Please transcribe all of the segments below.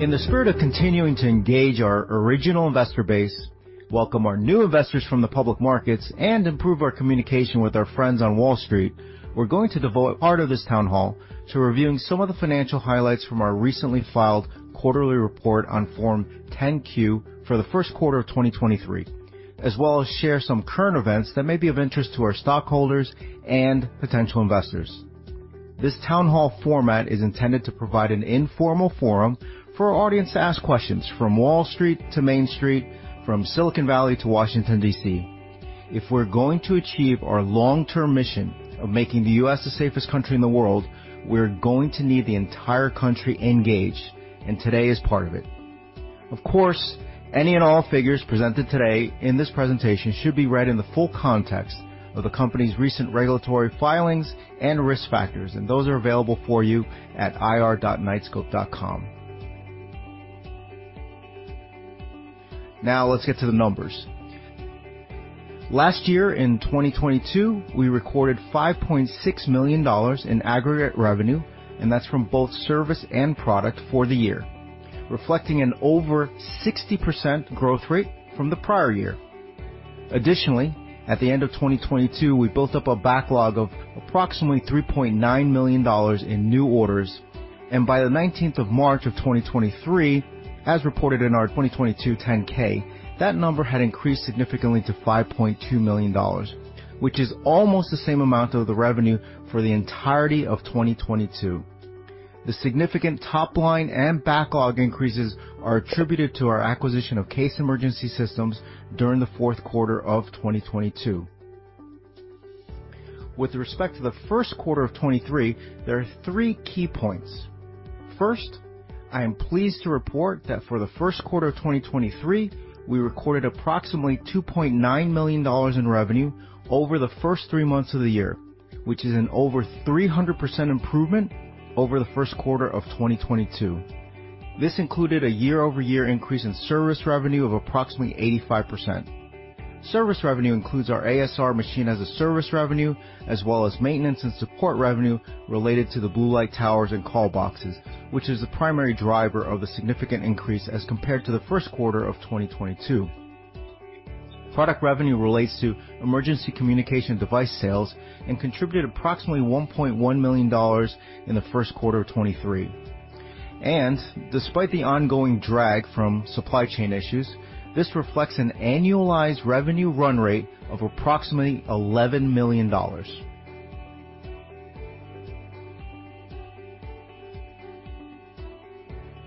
In the spirit of continuing to engage our original investor base, welcome our new investors from the public markets, and improve our communication with our friends on Wall Street, we're going to devote part of this town hall to reviewing some of the financial highlights from our recently filed quarterly report on Form 10-Q for the first quarter of 2023, as well as share some current events that may be of interest to our stockholders and potential investors. This town hall format is intended to provide an informal forum for our audience to ask questions from Wall Street to Main Street, from Silicon Valley to Washington, D.C. If we're going to achieve our long-term mission of making the U.S. the safest country in the world, we're going to need the entire country engaged, and today is part of it. Of course, any and all figures presented today in this presentation should be read in the full context of the company's recent regulatory filings and risk factors, and those are available for you at ir.knightscope.com. Now, let's get to the numbers. Last year in 2022, we recorded $5.6 million in aggregate revenue, and that's from both service and product for the year, reflecting an over 60% growth rate from the prior year. Additionally, at the end of 2022, we built up a backlog of approximately $3.9 million in new orders. By the 19th of March of 2023, as reported in our 2022 10-K, that number had increased significantly to $5.2 million, which is almost the same amount of the revenue for the entirety of 2022. The significant top line and backlog increases are attributed to our acquisition of CASE Emergency Systems during the fourth quarter of 2022. With respect to the first quarter of 2023, there are three key points. First, I am pleased to report that for the first quarter of 2023, we recorded approximately $2.9 million in revenue over the first three months of the year, which is an over 300% improvement over the first quarter of 2022. This included a year-over-year increase in service revenue of approximately 85%. Service revenue includes our ASR Machine-as-a-Service revenue, as well as maintenance and support revenue related to the blue light towers and call boxes, which is the primary driver of the significant increase as compared to the first quarter of 2022. Product revenue relates to emergency communication device sales and contributed approximately $1.1 million in the first quarter of 2023. Despite the ongoing drag from supply chain issues, this reflects an annualized revenue run rate of approximately $11 million.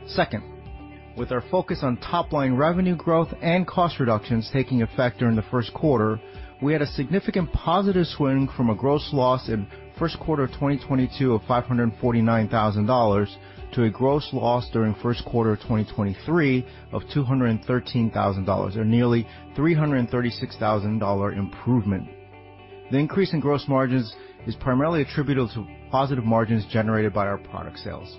Second, with our focus on top-line revenue growth and cost reductions taking effect during the first quarter, we had a significant positive swing from a gross loss in first quarter of 2022 of $549,000 to a gross loss during first quarter of 2023 of $213,000 or nearly $336,000 improvement. The increase in gross margins is primarily attributable to positive margins generated by our product sales.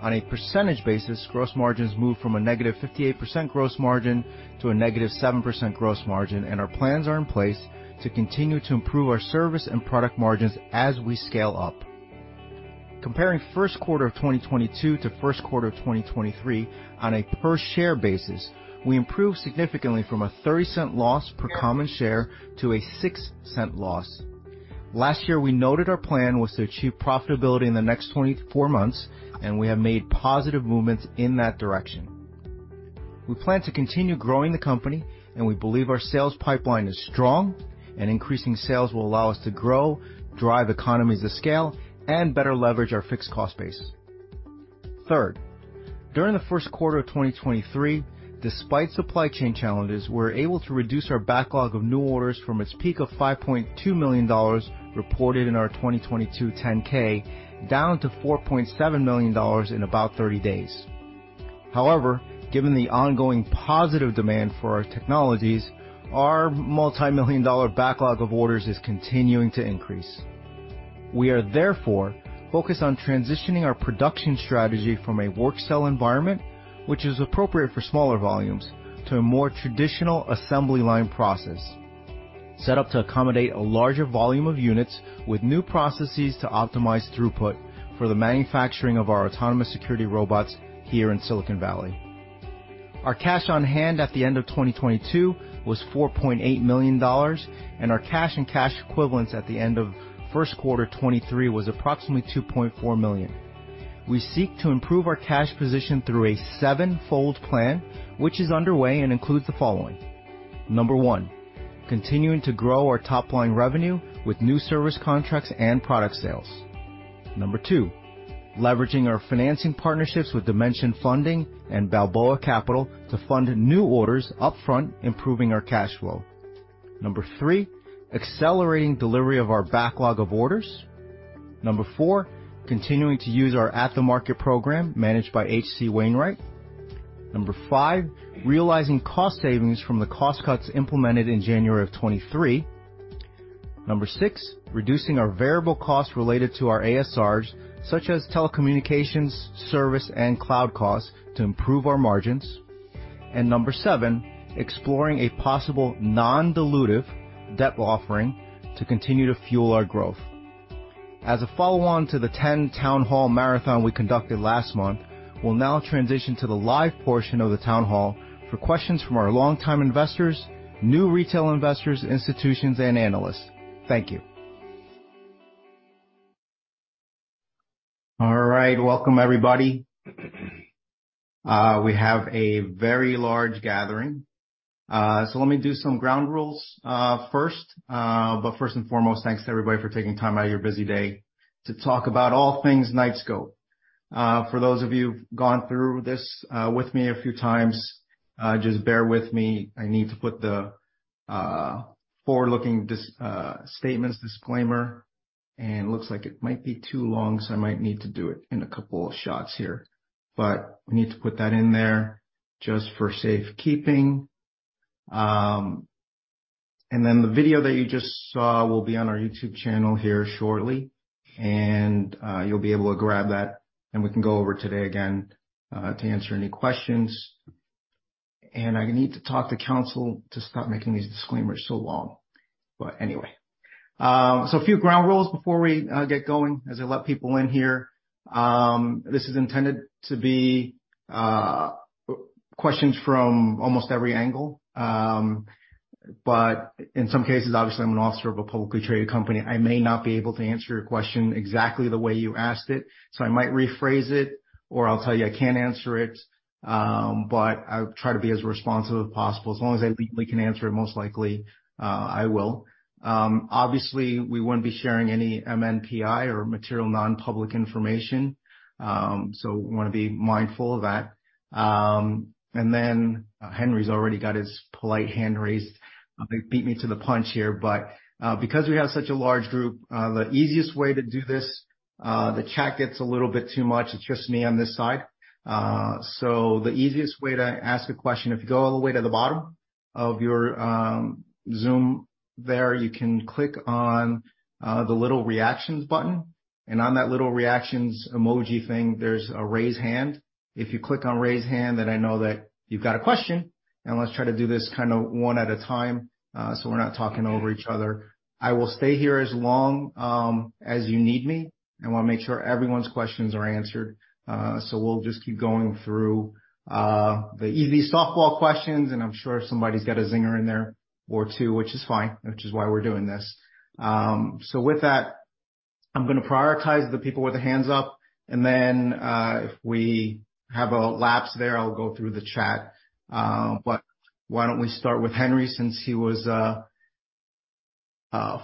On a percentage basis, gross margins move from a negative 58% gross margin to a negative 7% gross margin. Our plans are in place to continue to improve our service and product margins as we scale up. Comparing first quarter of 2022 to first quarter of 2023 on a per share basis, we improved significantly from a $0.30 loss per common share to a $0.06 loss. Last year, we noted our plan was to achieve profitability in the next 24 months. We have made positive movements in that direction. We plan to continue growing the company. We believe our sales pipeline is strong and increasing sales will allow us to grow, drive economies of scale, and better leverage our fixed cost base. Third, during the first quarter of 2023, despite supply chain challenges, we were able to reduce our backlog of new orders from its peak of $5.2 million reported in our 2022 Form 10-K down to $4.7 million in about 30 days. Given the ongoing positive demand for our technologies, our multimillion-dollar backlog of orders is continuing to increase. We are therefore focused on transitioning our production strategy from a work cell environment, which is appropriate for smaller volumes, to a more traditional assembly line process set up to accommodate a larger volume of units with new processes to optimize throughput for the manufacturing of our Autonomous Security Robots here in Silicon Valley. Our cash on hand at the end of 2022 was $4.8 million, and our cash and cash equivalents at the end of first quarter 2023 was approximately $2.4 million. We seek to improve our cash position through a seven-fold plan, which is underway and includes the following. Number one, continuing to grow our top-line revenue with new service contracts and product sales. Number two, leveraging our financing partnerships with Dimension Funding and Balboa Capital to fund new orders upfront, improving our cash flow. Number three, accelerating delivery of our backlog of orders. Number four, continuing to use our At-The-Market program managed by H.C. Wainwright. Number five, realizing cost savings from the cost cuts implemented in January of 2023. Number 6, reducing our variable costs related to our ASRs, such as telecommunications, service, and cloud costs to improve our margins. Number 7, exploring a possible non-dilutive debt offering to continue to fuel our growth. As a follow-on to the 10 town hall marathon we conducted last month, we'll now transition to the live portion of the town hall for questions from our longtime investors, new retail investors, institutions, and analysts. Thank you. All right. Welcome, everybody. We have a very large gathering. Let me do some ground rules first. First and foremost, thanks to everybody for taking time out of your busy day to talk about all things Knightscope. For those of you who've gone through this with me a few times, just bear with me. I need to put the forward-looking statements disclaimer, and looks like it might be too long, so I might need to do it in a couple of shots here. We need to put that in there just for safekeeping. The video that you just saw will be on our YouTube channel here shortly. You'll be able to grab that, and we can go over today again to answer any questions. I need to talk to counsel to stop making these disclaimers so long. Anyway. A few ground rules before we get going as I let people in here. This is intended to be questions from almost every angle. In some cases, obviously, I'm an officer of a publicly traded company. I may not be able to answer your question exactly the way you asked it, so I might rephrase it or I'll tell you I can't answer it. I'll try to be as responsive as possible. As long as I legally can answer it, most likely, I will. Obviously, we wouldn't be sharing any MNPI or material non-public information. We wanna be mindful of that. Henry's already got his polite hand raised. Beat me to the punch here. Because we have such a large group, the easiest way to do this, the chat gets a little bit too much. It's just me on this side. The easiest way to ask a question, if you go all the way to the bottom of your Zoom there, you can click on the little reactions button. On that little reactions emoji thing, there's a raise hand. If you click on raise hand, then I know that you've got a question. Let's try to do this kinda one at a time, so we're not talking over each other. I will stay here as long as you need me. I wanna make sure everyone's questions are answered. We'll just keep going through the easy softball questions, and I'm sure somebody's got a zinger in there or two, which is fine, which is why we're doing this. With that, I'm gonna prioritize the people with their hands up and then, if we have a lapse there, I'll go through the chat. Why don't we start with Henry since he was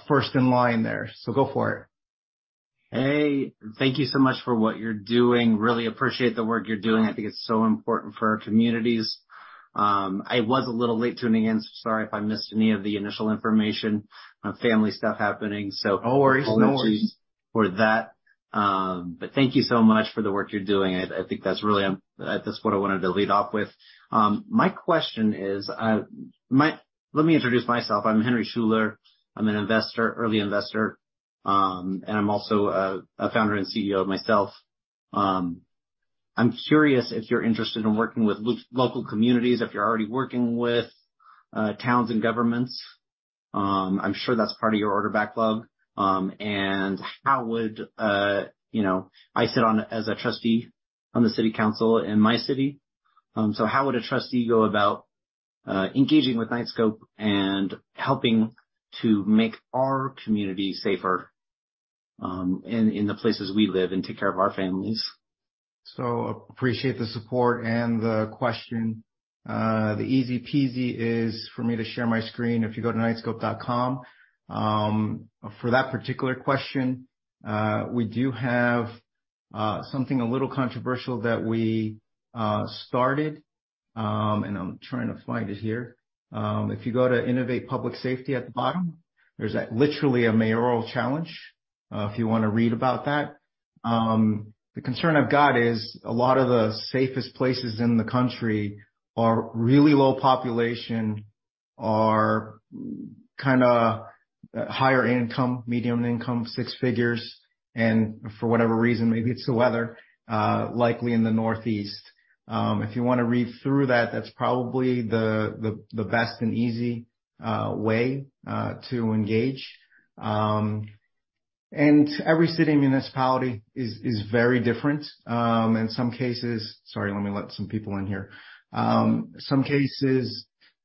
first in line there? Go for it. Thank you so much for what you're doing. Really appreciate the work you're doing. I think it's so important for our communities. I was a little late tuning in, sorry if I missed any of the initial information. Family stuff happening. No worries. No worries. -apologies for that. Thank you so much for the work you're doing. I think that's really what I wanted to lead off with. My question is, let me introduce myself. I'm Henry Schuler. I'm an investor, early investor. And I'm also a founder and CEO myself. I'm curious if you're interested in working with local communities, if you're already working with towns and governments. I'm sure that's part of your order backlog. And how would, you know, I sit on as a trustee on the city council in my city. How would a trustee go about engaging with Knightscope and helping to make our community safer in the places we live and take care of our families? Appreciate the support and the question. The easy-peasy is for me to share my screen. If you go to Knightscope.com, for that particular question, we do have something a little controversial that we started. I'm trying to find it here. If you go to Innovate Public Safety at the bottom, there's literally a mayoral challenge if you wanna read about that. The concern I've got is a lot of the safest places in the country are really low population, are kinda higher income, medium income, six figures, and for whatever reason, maybe it's the weather, likely in the Northeast. If you wanna read through that's probably the best and easy way to engage. Every city municipality is very different. Sorry, let me let some people in here. Some cases,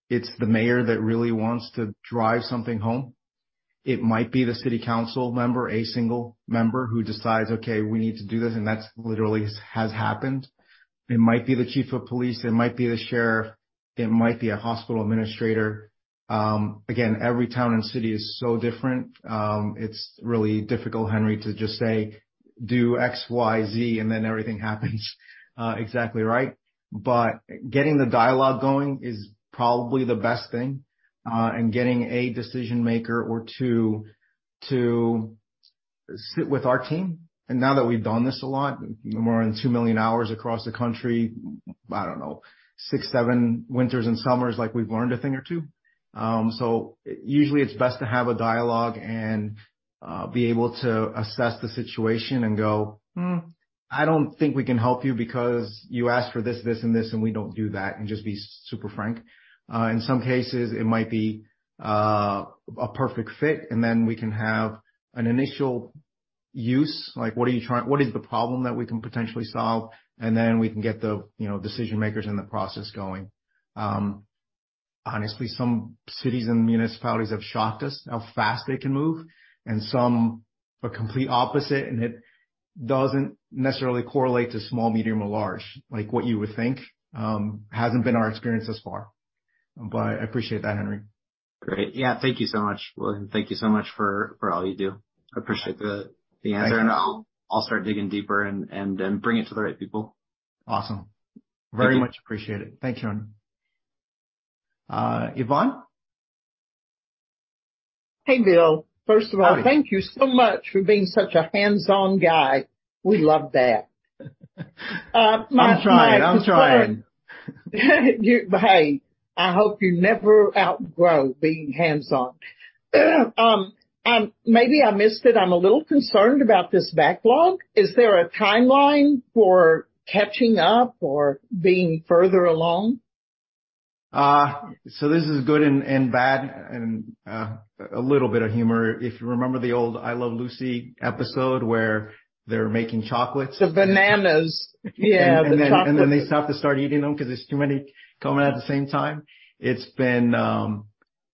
it's the mayor that really wants to drive something home. It might be the city council member, a single member who decides, "Okay, we need to do this," and that literally has happened. It might be the chief of police, it might be the sheriff, it might be a hospital administrator. Again, every town and city is so different. It's really difficult, Henry, to just say do X, Y, Z, and then everything happens exactly right. Getting the dialogue going is probably the best thing and getting a decision maker or two to sit with our team. Now that we've done this a lot, more than 2 million hours across the country, I don't know, 6, 7 winters and summers, like, we've learned a thing or two. Usually it's best to have a dialogue and be able to assess the situation and go, "Hmm-I don't think we can help you because you asked for this and this, and we don't do that, and just be super frank." In some cases it might be a perfect fit, and then we can have an initial use, like, what is the problem that we can potentially solve? Then we can get the, you know, decision makers in the process going. Honestly, some cities and municipalities have shocked us how fast they can move, and some are complete opposite, and it doesn't necessarily correlate to small, medium or large, like what you would think. Hasn't been our experience thus far, but I appreciate that, Henry. Great. Yeah. Thank you so much, William. Thank you so much for all you do. I appreciate the answer. Thank you. I'll start digging deeper and then bring it to the right people. Awesome. Thank you. Very much appreciate it. Thanks, John. Yvonne? Hey, Bill. First of all. Hi thank you so much for being such a hands-on guy. We love that. I'm trying. Hey, I hope you never outgrow being hands-on. Maybe I missed it. I'm a little concerned about this backlog. Is there a timeline for catching up or being further along? This is good and bad and a little bit of humor. If you remember the old I Love Lucy episode where they're making chocolates. The bananas. Yeah, the chocolates. Then they stop to start eating them 'cause there's too many coming at the same time. It's been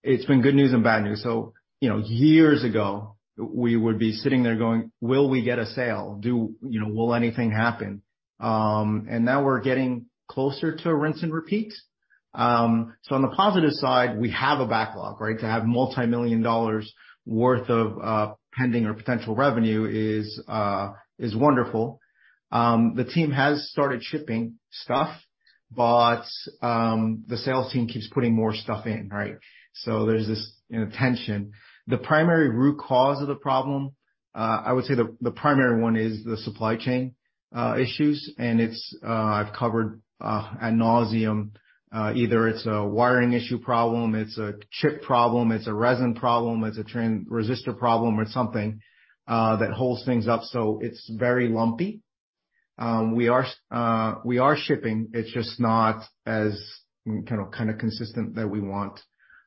good news and bad news. You know, years ago we would be sitting there going, "Will we get a sale? You know, will anything happen?" Now we're getting closer to a rinse and repeat. On the positive side, we have a backlog, right? To have multimillion dollars worth of pending or potential revenue is wonderful. The team has started shipping stuff, but the sales team keeps putting more stuff in, right? There's this, you know, tension. The primary root cause of the problem, I would say the primary one, is the supply chain issues. It's, I've covered ad nauseam. Either it's a wiring issue problem, it's a chip problem, it's a resin problem, it's a resistor problem or something that holds things up. It's very lumpy. We are, we are shipping. It's just not as kind of consistent that we want.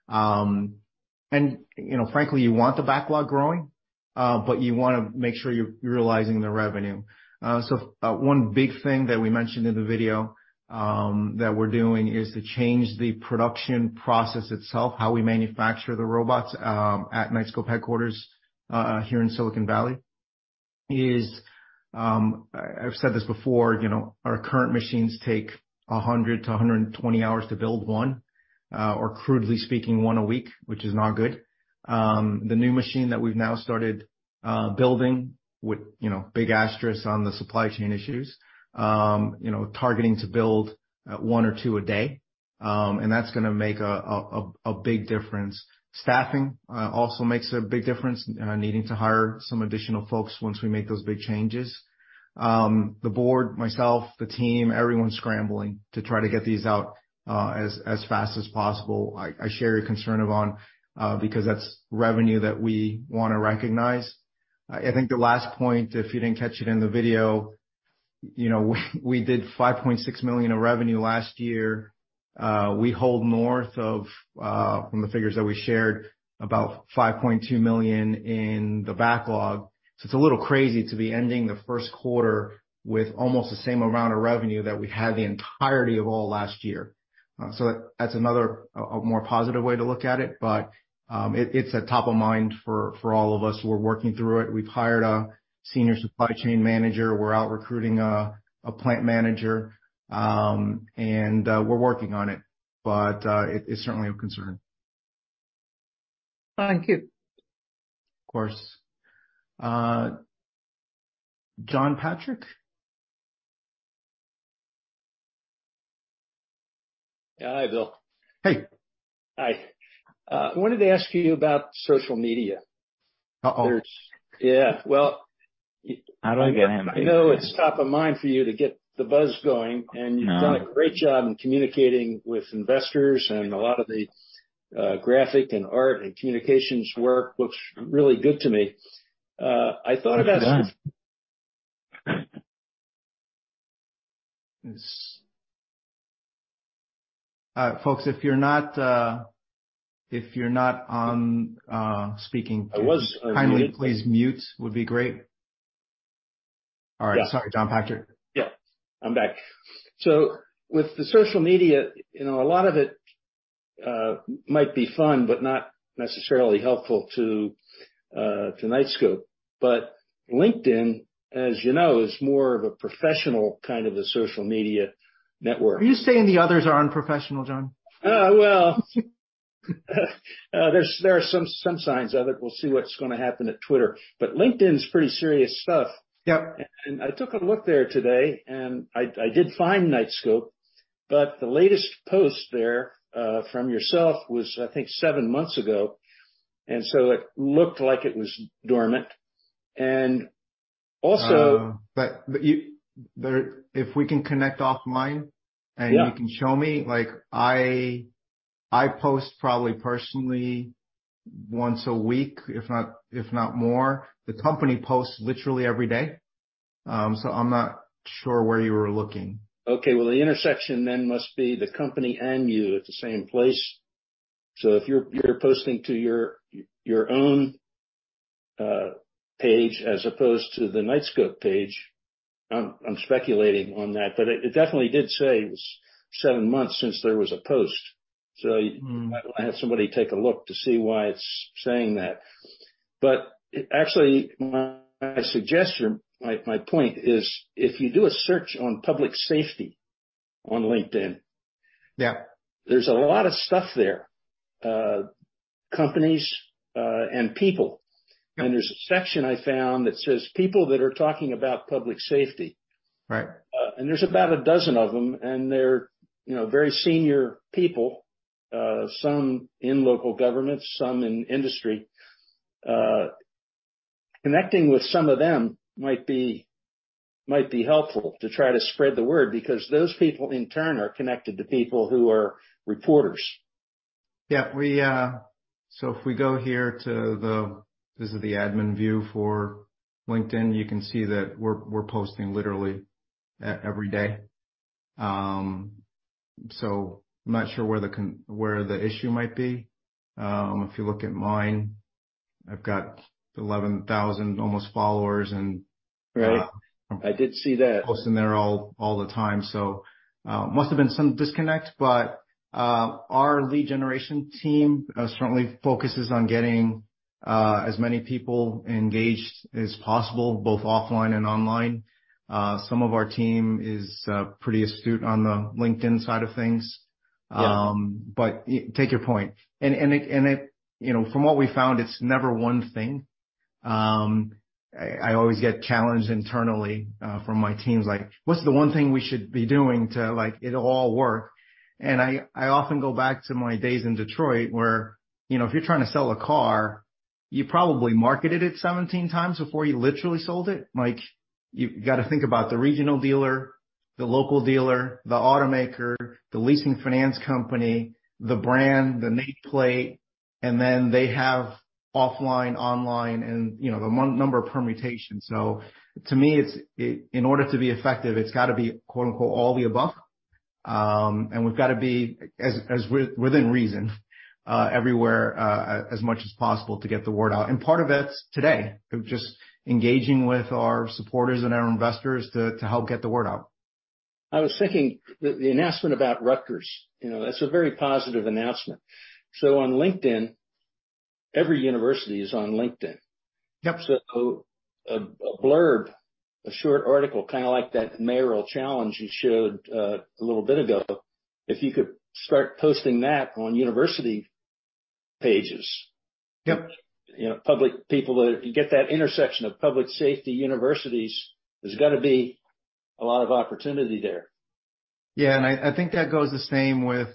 You know, frankly, you want the backlog growing, but you wanna make sure you're utilizing the revenue. One big thing that we mentioned in the video that we're doing is to change the production process itself. How we manufacture the robots at Knightscope headquarters here in Silicon Valley is, I've said this before, you know, our current machines take 100 to 120 hours to build 1, or crudely speaking, 1 a week, which is not good. The new machine that we've now started building with, you know, big asterisks on the supply chain issues, you know, targeting to build one or two a day. That's gonna make a big difference. Staffing also makes a big difference, needing to hire some additional folks once we make those big changes. The board, myself, the team, everyone's scrambling to try to get these out as fast as possible. I share your concern, Yvonne, because that's revenue that we wanna recognize. I think the last point, if you didn't catch it in the video, you know, we did $5.6 million of revenue last year. We hold north of, from the figures that we shared, about $5.2 million in the backlog. It's a little crazy to be ending the first quarter with almost the same amount of revenue that we had the entirety of all last year. That's another a more positive way to look at it. It's a top of mind for all of us. We're working through it. We've hired a senior supply chain manager. We're out recruiting a plant manager. We're working on it, but it's certainly a concern. Thank you. Of course. John Patrick? Yeah. Hi, Bill. Hey. Hi. wanted to ask you about social media. Uh-oh. Yeah. I don't get him.... I know it's top of mind for you to get the buzz going. No You've done a great job in communicating with investors and a lot of the graphic and art and communications work looks really good to me. It does. Folks, if you're not, if you're not on, speaking please. I was unmuted. kindly please mute would be great. All right. Yeah. Sorry, John Patrick. Yeah, I'm back. With the social media, you know, a lot of it might be fun, but not necessarily helpful to Knightscope. LinkedIn, as you know, is more of a professional kind of a social media network. Are you saying the others are unprofessional, John? well, there are some signs of it. We'll see what's gonna happen at Twitter. LinkedIn is pretty serious stuff. Yep. I took a look there today, and I did find Knightscope, but the latest post there, from yourself was, I think, seven months ago, and so it looked like it was dormant. Oh. If we can connect offline. Yeah... and you can show me. Like, I post probably personally once a week, if not, if not more. The company posts literally every day. I'm not sure where you were looking. Okay. Well, the intersection then must be the company and you at the same place. If you're posting to your own page as opposed to the Knightscope page, I'm speculating on that, but it definitely did say it was 7 months since there was a post. Mm. I'd have somebody take a look to see why it's saying that. Actually, my suggestion, my point is if you do a search on public safety on LinkedIn. Yeah... there's a lot of stuff there, companies, and people. Yeah. There's a section I found that says, "People that are talking about public safety. Right. There's about a dozen of them, and they're, you know, very senior people, some in local government, some in industry. Connecting with some of them might be, might be helpful to try to spread the word because those people, in turn, are connected to people who are reporters. Yeah. We. This is the admin view for LinkedIn. You can see that we're posting literally every day. I'm not sure where the issue might be. If you look at mine, I've got 11,000 almost followers. Right. I did see that. Posting there all the time. Must have been some disconnect. Our lead generation team certainly focuses on getting as many people engaged as possible, both offline and online. Some of our team is pretty astute on the LinkedIn side of things. Yeah. Take your point. You know, from what we found, it's never one thing. I always get challenged internally from my teams like, "What's the one thing we should be doing to, like, it'll all work?" I often go back to my days in Detroit where, you know, if you're trying to sell a car, you probably marketed it 17 times before you literally sold it. Like, you've got to think about the regional dealer, the local dealer, the automaker, the leasing finance company, the brand, the nameplate, and then they have offline, online and, you know, the number of permutations. to me, in order to be effective, it's got to be, quote-unquote, "all the above." and we've got to be, as within reason, everywhere, as much as possible to get the word out. part of it's today, of just engaging with our supporters and our investors to help get the word out. I was thinking the announcement about Rutgers, you know, that's a very positive announcement. On LinkedIn, every university is on LinkedIn. Yep. A blurb, a short article, kinda like that mayoral challenge you showed a little bit ago. If you could start posting that on university pages. Yep. You know, public people that get that intersection of public safety universities, there's gotta be a lot of opportunity there. I think that goes the same with,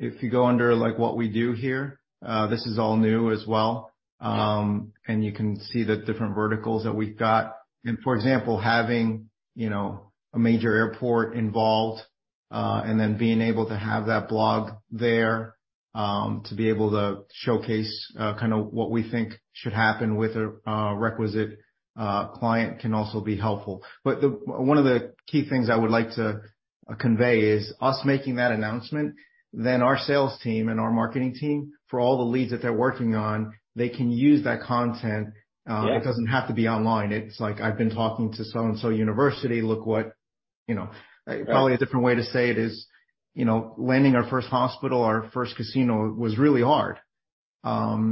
if you go under, like, what we do here, this is all new as well. You can see the different verticals that we've got. For example, having, you know, a major airport involved, and then being able to have that blog there, to be able to showcase, kinda what we think should happen with a requisite client can also be helpful. One of the key things I would like to convey is us making that announcement, then our sales team and our marketing team, for all the leads that they're working on, they can use that content. Yeah. It doesn't have to be online. It's like, I've been talking to so and so university, look what, you know. Right. Probably a different way to say it is, you know, landing our first hospital, our first casino was really hard.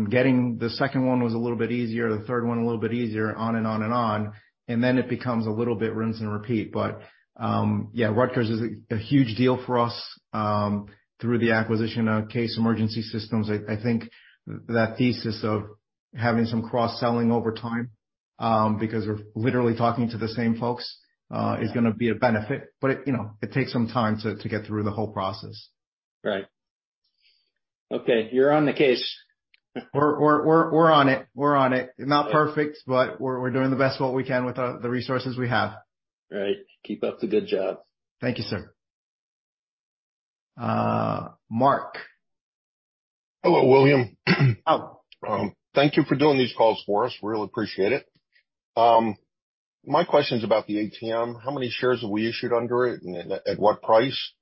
Getting the second one was a little bit easier, the third one a little bit easier, on and on and on. Then it becomes a little bit rinse and repeat. Yeah, Rutgers is a huge deal for us, through the acquisition of CASE Emergency Systems. I think that thesis of having some cross-selling over time, because we're literally talking to the same folks, is gonna be a benefit. You know, it takes some time to get through the whole process. Right. Okay. You're on the case. We're on it. We're on it. Not perfect, but we're doing the best what we can with the resources we have. Right. Keep up the good job. Thank you, sir. Mark. Hello, William. Oh. Thank you for doing these calls for us. Really appreciate it. My question's about the ATM. How many shares have we issued under it and at what price?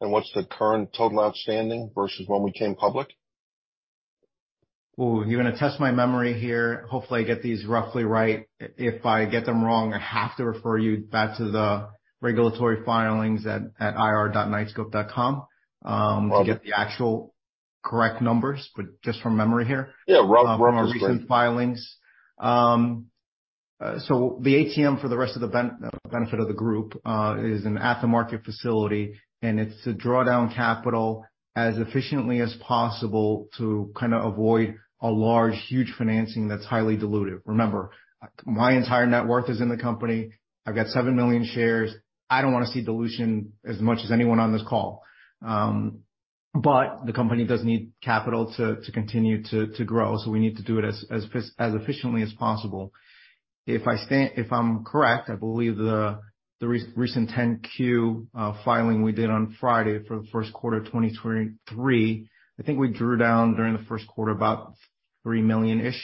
What's the current total outstanding versus when we came public? You're gonna test my memory here. Hopefully, I get these roughly right. If I get them wrong, I have to refer you back to the regulatory filings at ir.knightscope.com. Okay. To get the actual correct numbers, but just from memory here. Yeah, rough is great. from our recent filings. The ATM for the rest of the benefit of the group is an At-The-Market facility, and it's to draw down capital as efficiently as possible to kinda avoid a large, huge financing that's highly dilutive. Remember, my entire net worth is in the company. I've got 7 million shares. I don't wanna see dilution as much as anyone on this call. The company does need capital to continue to grow, so we need to do it as efficiently as possible. If I'm correct, I believe the recent 10-Q filing we did on Friday for the first quarter of 2023, I think we drew down during the first quarter about $3 million-ish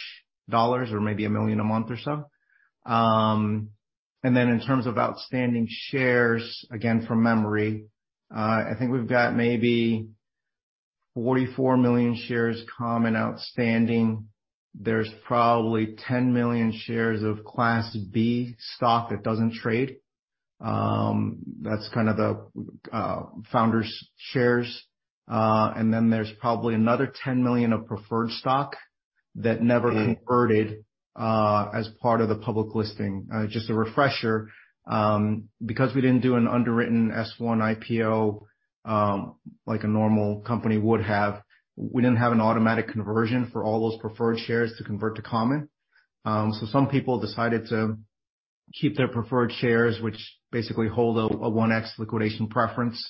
or maybe $1 million a month or so. In terms of outstanding shares, again, from memory, I think we've got maybe 44 million shares common outstanding. There's probably 10 million shares of Class B stock that doesn't trade. That's kind of the founder's shares. There's probably another 10 million of preferred stock that never converted as part of the public listing. Just a refresher, because we didn't do an underwritten S-1 IPO, like a normal company would have, we didn't have an automatic conversion for all those preferred shares to convert to common. Some people decided to keep their preferred shares, which basically hold a 1x liquidation preference.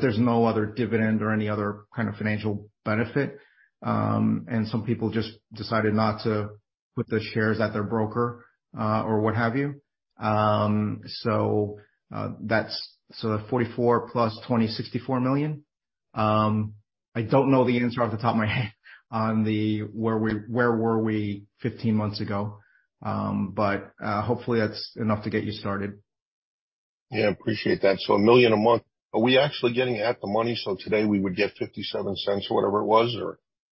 There's no other dividend or any other kind of financial benefit. Some people just decided not to put the shares at their broker or what have you. 44 plus 20, $64 million. I don't know the answer off the top of my head on the where were we 15 months ago? Hopefully that's enough to get you started. Yeah, appreciate that. A million a month. Are we actually getting at the money, so today we would get $0.57 or whatever it was?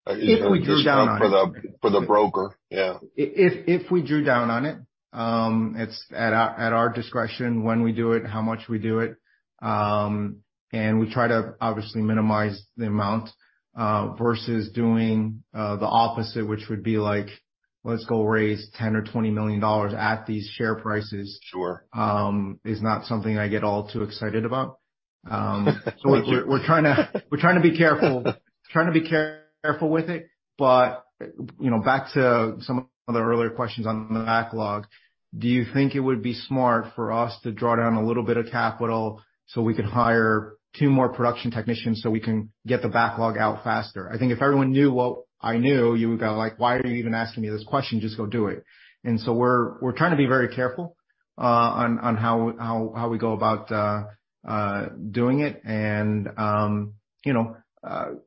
If we drew down on it. ...just for the broker? Yeah. If we drew down on it's at our discretion when we do it, how much we do it. We try to obviously minimize the amount versus doing the opposite, which would be like, let's go raise $10 million or $20 million at these share prices. Sure ...is not something I get all too excited about. We're trying to be careful. Trying to be careful with it. You know, back to some of the earlier questions on the backlog, do you think it would be smart for us to draw down a little bit of capital so we could hire 2 more production technicians, so we can get the backlog out faster? I think if everyone knew what I knew, you would go like, "Why are you even asking me this question? Just go do it." We're trying to be very careful on how we go about doing it. You know,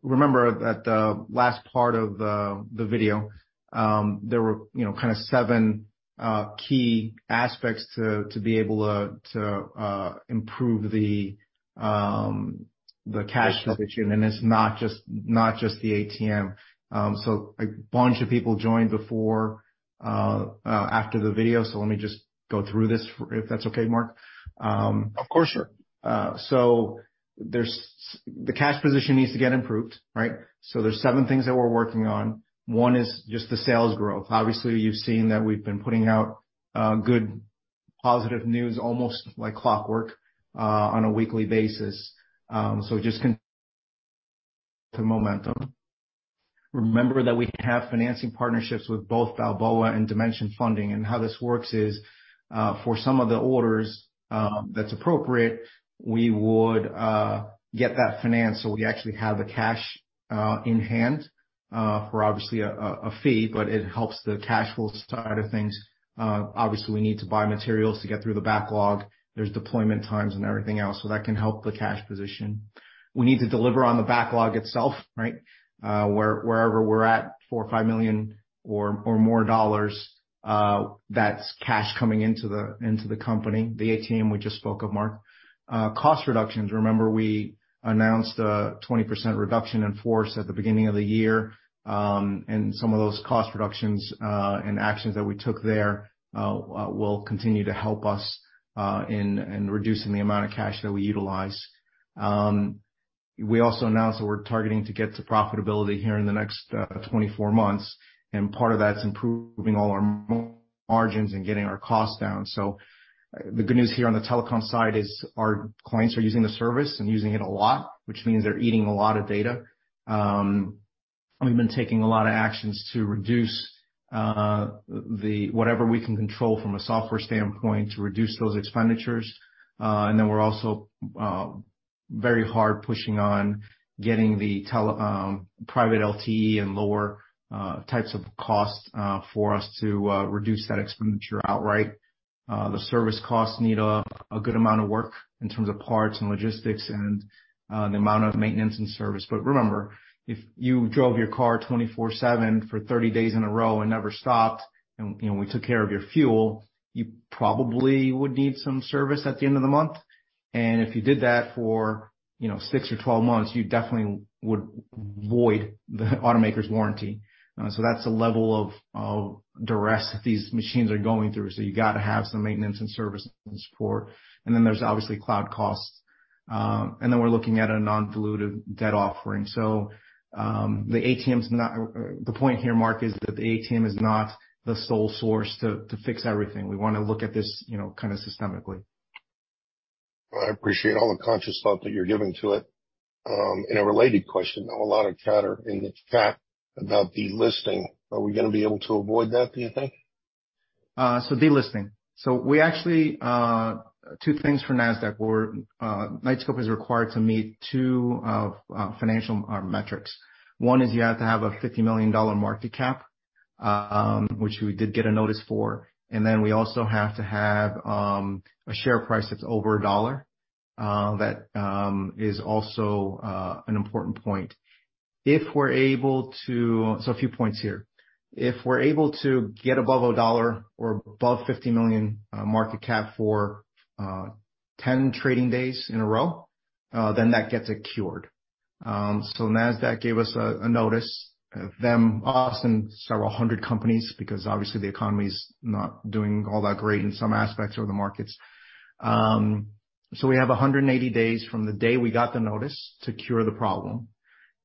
remember at the last part of the video, there were, you know, kinda 7 key aspects to be able to improve the cash position. It's not just the ATM. A bunch of people joined before after the video, so let me just go through this for if that's okay, Mark. Of course, sir. The cash position needs to get improved, right? There's seven things that we're working on. One is just the sales growth. Obviously, you've seen that we've been putting out good positive news almost like clockwork on a weekly basis. The momentum. Remember that we have financing partnerships with both Balboa and Dimension Funding. How this works is for some of the orders that's appropriate, we would get that financed, so we actually have the cash in hand for obviously a fee, but it helps the cash flow side of things. Obviously, we need to buy materials to get through the backlog. There's deployment times and everything else, so that can help the cash position. We need to deliver on the backlog itself, right? wherever we're at, $4 million or $5 million or more dollars, that's cash coming into the company. The ATM we just spoke of, Mark. Cost reductions. Remember we announced a 20% reduction in force at the beginning of the year, and some of those cost reductions and actions that we took there will continue to help us in reducing the amount of cash that we utilize. We also announced that we're targeting to get to profitability here in the next 24 months, and part of that's improving all our margins and getting our costs down. The good news here on the telecom side is our clients are using the service and using it a lot, which means they're eating a lot of data. We've been taking a lot of actions to reduce whatever we can control from a software standpoint to reduce those expenditures. We're also very hard pushing on getting the private LTE and lower types of costs for us to reduce that expenditure outright. The service costs need a good amount of work in terms of parts and logistics and the amount of maintenance and service. Remember, if you drove your car 24/7 for 30 days in a row and never stopped, and, you know, we took care of your fuel, you probably would need some service at the end of the month. If you did that for, you know, 6 or 12 months, you definitely would void the automaker's warranty. That's the level of duress that these machines are going through. You gotta have some maintenance and service and support. There's obviously cloud costs. We're looking at a non-dilutive debt offering. The point here, Mark, is that the ATM is not the sole source to fix everything. We wanna look at this, you know, kinda systemically. I appreciate all the conscious thought that you're giving to it. In a related question, now, a lot of chatter in the chat about delisting. Are we gonna be able to avoid that, do you think? Delisting. We actually 2 things for Nasdaq. Knightscope is required to meet 2 financial metrics. One is you have to have a $50 million market cap, which we did get a notice for. We also have to have a share price that's over $1. That is also an important point. If we're able to. A few points here. If we're able to get above $1 or above $50 million market cap for 10 trading days in a row, that gets it cured. Nasdaq gave us a notice, them, us, and several 100 companies, because obviously the economy's not doing all that great in some aspects of the markets. We have 180 days from the day we got the notice to cure the problem.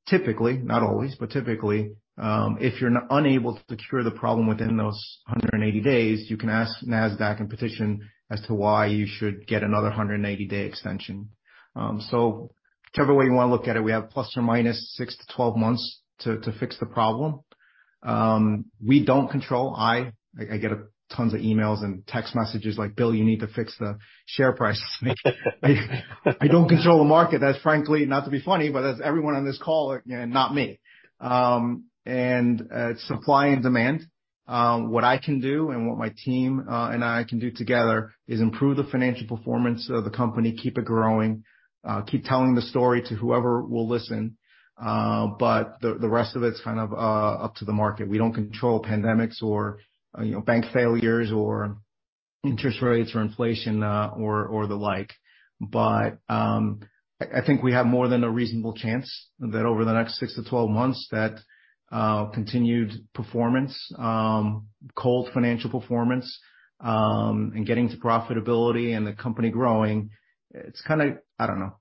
Typically, not always, but typically, if you're unable to cure the problem within those 180 days, you can ask Nasdaq and petition as to why you should get another 180 day extension. Whichever way you wanna look at it, we have ±6-12 months to fix the problem. We don't control, I get tons of emails and text messages like, "Bill, you need to fix the share price." I don't control the market. That's frankly, not to be funny, but that's everyone on this call, and not me. It's supply and demand. What I can do and what my team and I can do together is improve the financial performance of the company, keep it growing, keep telling the story to whoever will listen. The rest of it's kind of up to the market. We don't control pandemics or, you know, bank failures or interest rates or inflation, or the like. I think we have more than a reasonable chance that over the next 6 to 12 months that continued performance, cold financial performance, and getting to profitability and the company growing, it's kinda... I don't know.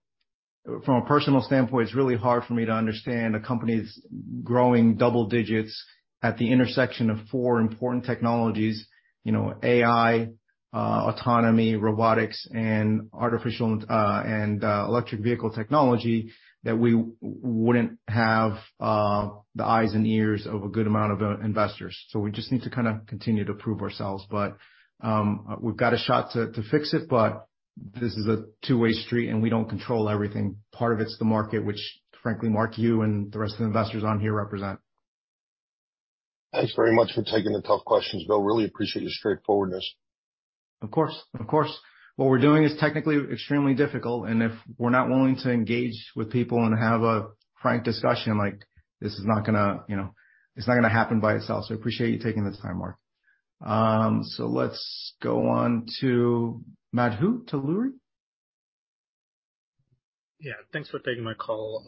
From a personal standpoint, it's really hard for me to understand a company's growing double digits at the intersection of 4 important technologies, you know, AI, autonomy, robotics, and electric vehicle technology, that we wouldn't have the eyes and ears of a good amount of investors. We just need to kinda continue to prove ourselves. We've got a shot to fix it, but this is a 2-way street, and we don't control everything. Part of it's the market, which frankly, Mark, you and the rest of the investors on here represent. Thanks very much for taking the tough questions, Bill. Really appreciate your straightforwardness. Of course. Of course. What we're doing is technically extremely difficult, and if we're not willing to engage with people and have a frank discussion, like, this is not gonna, you know, it's not gonna happen by itself. I appreciate you taking the time, Mark. let's go on to Madhu Tuluri. Yeah. Thanks for taking my call.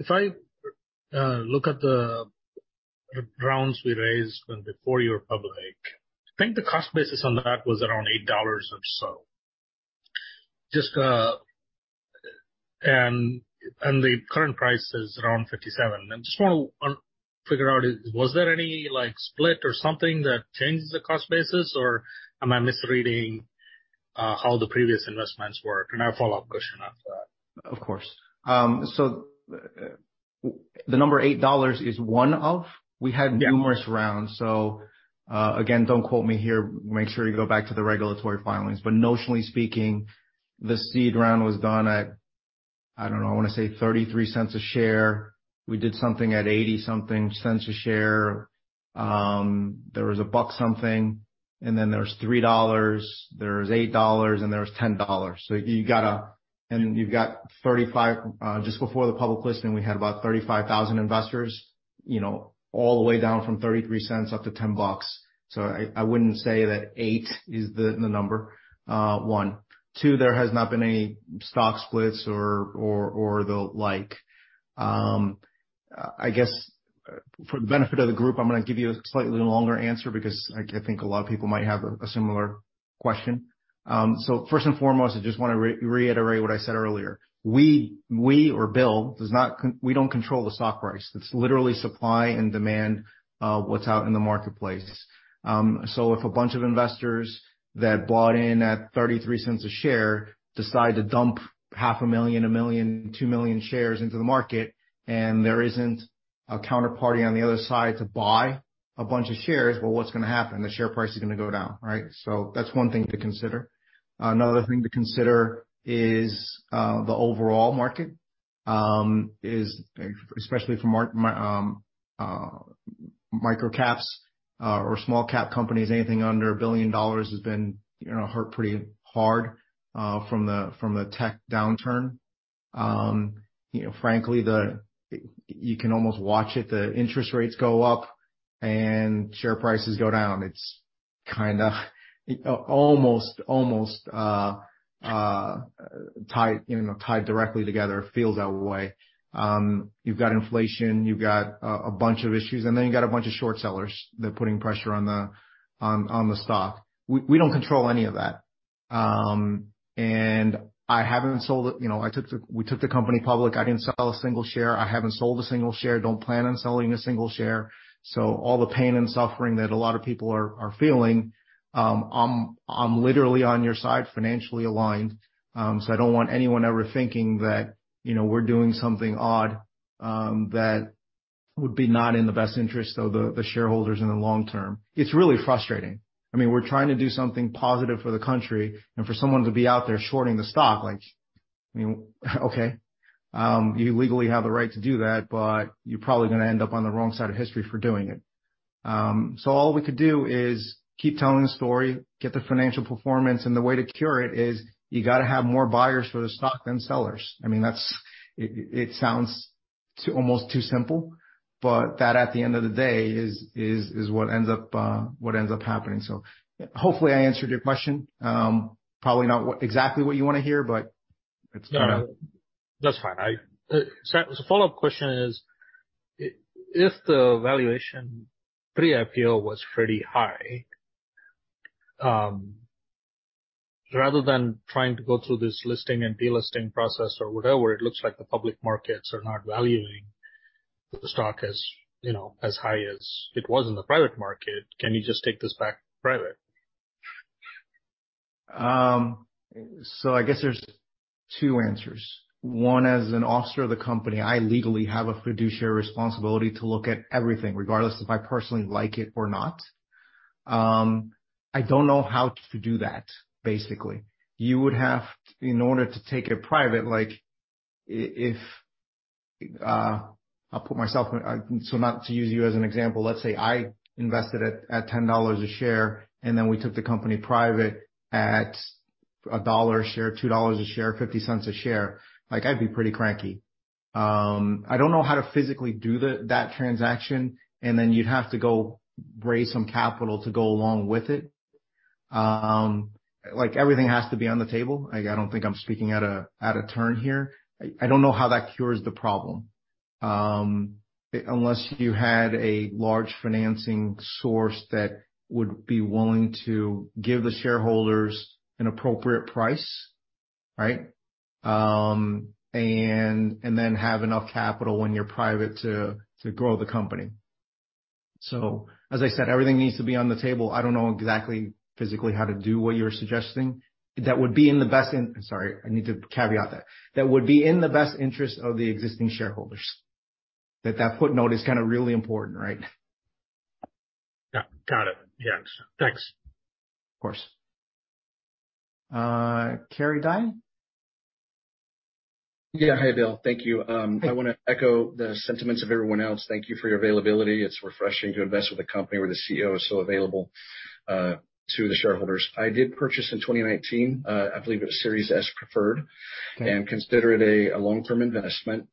If I look at the rounds we raised when before you were public, I think the cost basis on that was around $8 or so. Just, and the current price is around $57. I just wanna figure out, was there any, like, split or something that changed the cost basis, or am I misreading how the previous investments work? A follow-up question after that. Of course. The number $8 is one of. Yeah. We had numerous rounds. Again, don't quote me here. Make sure you go back to the regulatory filings. Notionally speaking, the seed round was done at, I wanna say $0.33 a share. We did something at $0.80-something a share. There was a buck something, and then there was $3, there was $8, and there was $10. You've got 35, just before the public listing, we had about 35,000 investors, you know, all the way down from $0.33 up to $10. I wouldn't say that 8 is the number, one. Two, there has not been any stock splits or the like. I guess for the benefit of the group, I'm gonna give you a slightly longer answer because I think a lot of people might have a similar question. First and foremost, I just wanna reiterate what I said earlier. We or Bill does not control the stock price. It's literally supply and demand, what's out in the marketplace. If a bunch of investors that bought in at $0.33 a share decide to dump half a million, $1 million, $2 million shares into the market and there isn't a counterparty on the other side to buy a bunch of shares, well, what's gonna happen? The share price is gonna go down, right? That's one thing to consider. Another thing to consider is the overall market is, especially for microcaps or small-cap companies, anything under $1 billion has been, you know, hurt pretty hard from the tech downturn. You know, frankly, you can almost watch it, the interest rates go up and share prices go down. It's kind of almost tied directly together. It feels that way. You've got inflation, you've got a bunch of issues, you've got a bunch of short sellers that are putting pressure on the stock. We don't control any of that. I haven't sold, you know, we took the company public. I didn't sell a single share. I haven't sold a single share. Don't plan on selling a single share. All the pain and suffering that a lot of people are feeling, I'm literally on your side, financially aligned. I don't want anyone ever thinking that, you know, we're doing something odd that would be not in the best interest of the shareholders in the long term. It's really frustrating. I mean, we're trying to do something positive for the country, and for someone to be out there shorting the stock, you legally have the right to do that, but you're probably gonna end up on the wrong side of history for doing it. All we could do is keep telling the story, get the financial performance. The way to cure it is you gotta have more buyers for the stock than sellers. I mean, it sounds too, almost too simple, but that at the end of the day is what ends up, what ends up happening. Hopefully I answered your question. Probably not exactly what you wanna hear, but it's kinda. No, that's fine. The follow-up question is, if the valuation pre-IPO was pretty high, rather than trying to go through this listing and delisting process or whatever, it looks like the public markets are not valuing the stock as, you know, as high as it was in the private market. Can you just take this back private? I guess there's two answers. One, as an officer of the company, I legally have a fiduciary responsibility to look at everything regardless if I personally like it or not. I don't know how to do that, basically. You would have in order to take it private, like if I'll put myself in. Not to use you as an example, let's say I invested at $10 a share, and then we took the company private at $1 a share, $2 a share, $0.50 a share. Like, I'd be pretty cranky. I don't know how to physically do that transaction, and then you'd have to go raise some capital to go along with it. Like, everything has to be on the table. Like, I don't think I'm speaking out of turn here. I don't know how that cures the problem. unless you had a large financing source that would be willing to give the shareholders an appropriate price, right? and then have enough capital when you're private to grow the company. As I said, everything needs to be on the table. I don't know exactly physically how to do what you're suggesting. Sorry, I need to caveat that. That would be in the best interest of the existing shareholders, that footnote is kinda really important, right? Yeah. Got it. Yeah. Thanks. Of course. Kerry Dyne? Hey, Bill. Thank you. I wanna echo the sentiments of everyone else. Thank you for your availability. It's refreshing to invest with a company where the CEO is so available to the shareholders. I did purchase in 2019, I believe it was Series S Preferred, and consider it a long-term investment.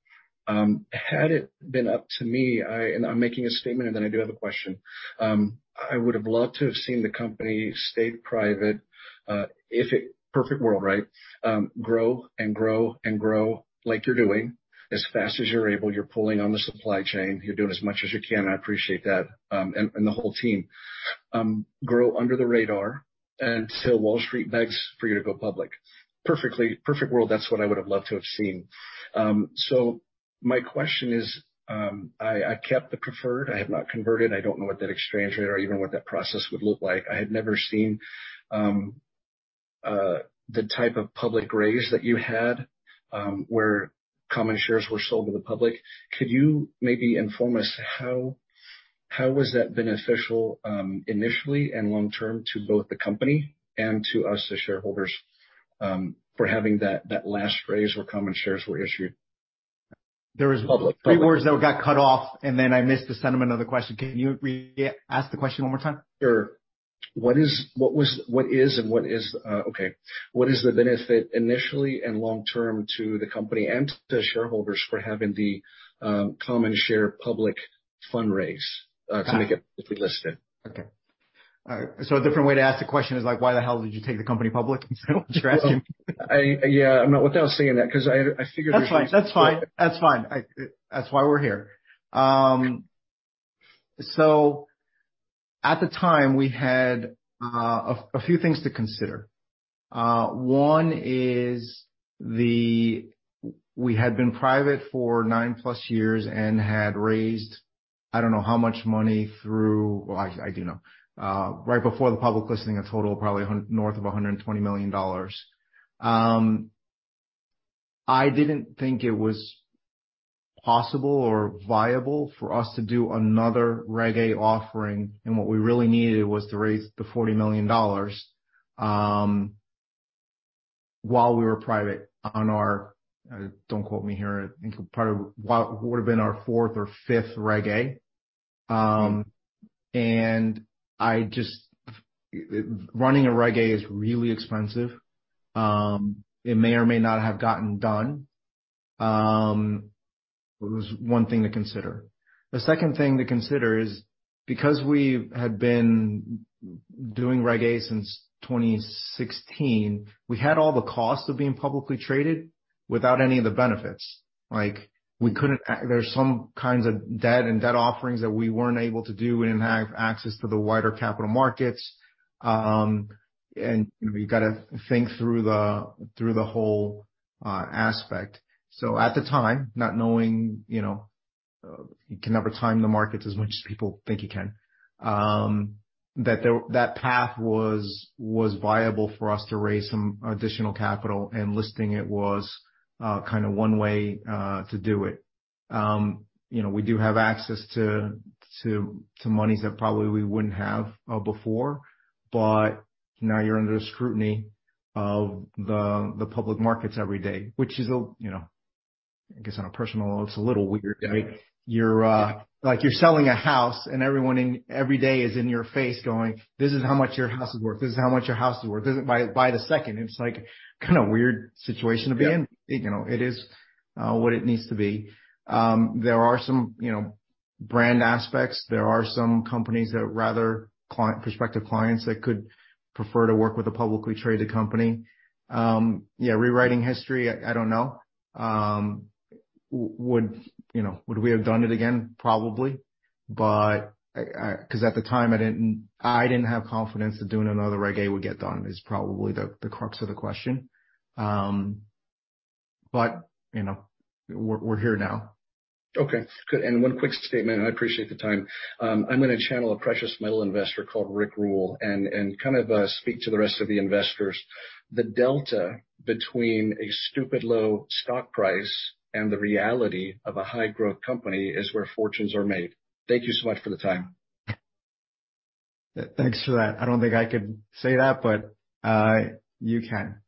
Had it been up to me, I'm making a statement, and then I do have a question. I would have loved to have seen the company stay private, perfect world, right? Grow and grow and grow like you're doing as fast as you're able. You're pulling on the supply chain. You're doing as much as you can. I appreciate that, and the whole team. Grow under the radar until Wall Street begs for you to go public. Perfect world, that's what I would have loved to have seen. My question is, I kept the preferred. I have not converted. I don't know what that exchange rate or even what that process would look like. I had never seen the type of public raise that you had, where common shares were sold to the public. Could you maybe inform us how was that beneficial, initially and long-term to both the company and to us as shareholders, for having that last raise where common shares were issued public? There was three words that got cut off, and then I missed the sentiment of the question. Can you re-ask the question one more time? Sure. What is, what was, what is and what is, okay. What is the benefit initially and long-term to the company and to shareholders for having the common share public fundraise to make it listed? Okay. All right. A different way to ask the question is like, why the hell did you take the company public? I'm stressing. Well, I, yeah, I'm not without saying that because I figured. That's fine. That's fine. That's fine. That's why we're here. At the time, we had a few things to consider. One is we had been private for 9+ years and had raised I don't know how much money. Well, I do know. Right before the public listing, a total of probably north of $120 million. I didn't think it was possible or viable for us to do another Regulation A offering. What we really needed was to raise the $40 million while we were private on our, don't quote me here, I think probably what would've been our fourth or fifth Regulation A. Running a Regulation A is really expensive. It may or may not have gotten done. It was one thing to consider. The second thing to consider is because we had been doing Regulation A since 2016, we had all the costs of being publicly traded without any of the benefits. Like, we couldn't There's some kinds of debt and debt offerings that we weren't able to do. We didn't have access to the wider capital markets. You gotta think through the, through the whole aspect. At the time, not knowing, you know, you can never time the markets as much as people think you can, that path was viable for us to raise some additional capital, and listing it was kinda one way to do it. You know, we do have access to monies that probably we wouldn't have before, but now you're under the scrutiny of the public markets every day, which is a, you know, I guess on a personal level, it's a little weird, right? You're like you're selling a house and everyone every day is in your face going, "This is how much your house is worth. This is how much your house is worth. This is..." By the second. It's like kinda weird situation to be in. Yeah. You know, it is what it needs to be. There are some, you know, brand aspects. There are some companies that rather prospective clients that could prefer to work with a publicly traded company. Yeah, rewriting history, I don't know. Would, you know, would we have done it again? Probably. 'Cause at the time, I didn't, I didn't have confidence that doing another Regulation A would get done, is probably the crux of the question. You know, we're here now. Okay, good. One quick statement. I appreciate the time. I'm gonna channel a precious metal investor called Rick Rule and kind of speak to the rest of the investors. The delta between a stupid low stock price and the reality of a high-growth company is where fortunes are made. Thank you so much for the time. Thanks for that. I don't think I could say that, but you can.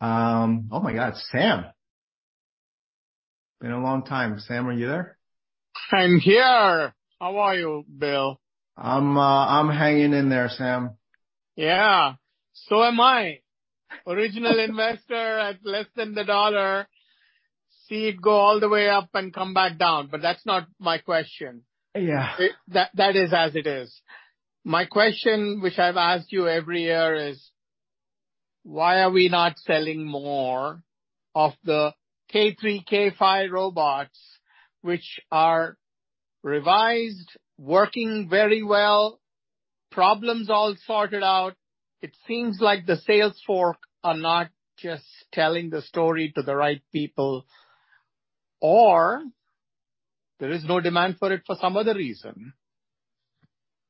Oh my god, Sam. Been a long time. Sam, are you there? I'm here. How are you, Bill? I'm hanging in there, Sam. Yeah. So am I. Original investor at less than $1. See it go all the way up and come back down. That's not my question. Yeah. That is as it is. My question, which I've asked you every year, is why are we not selling more of the K3, K5 robots which are revised, working very well, problems all sorted out? It seems like the sales force are not just telling the story to the right people, or there is no demand for it for some other reason.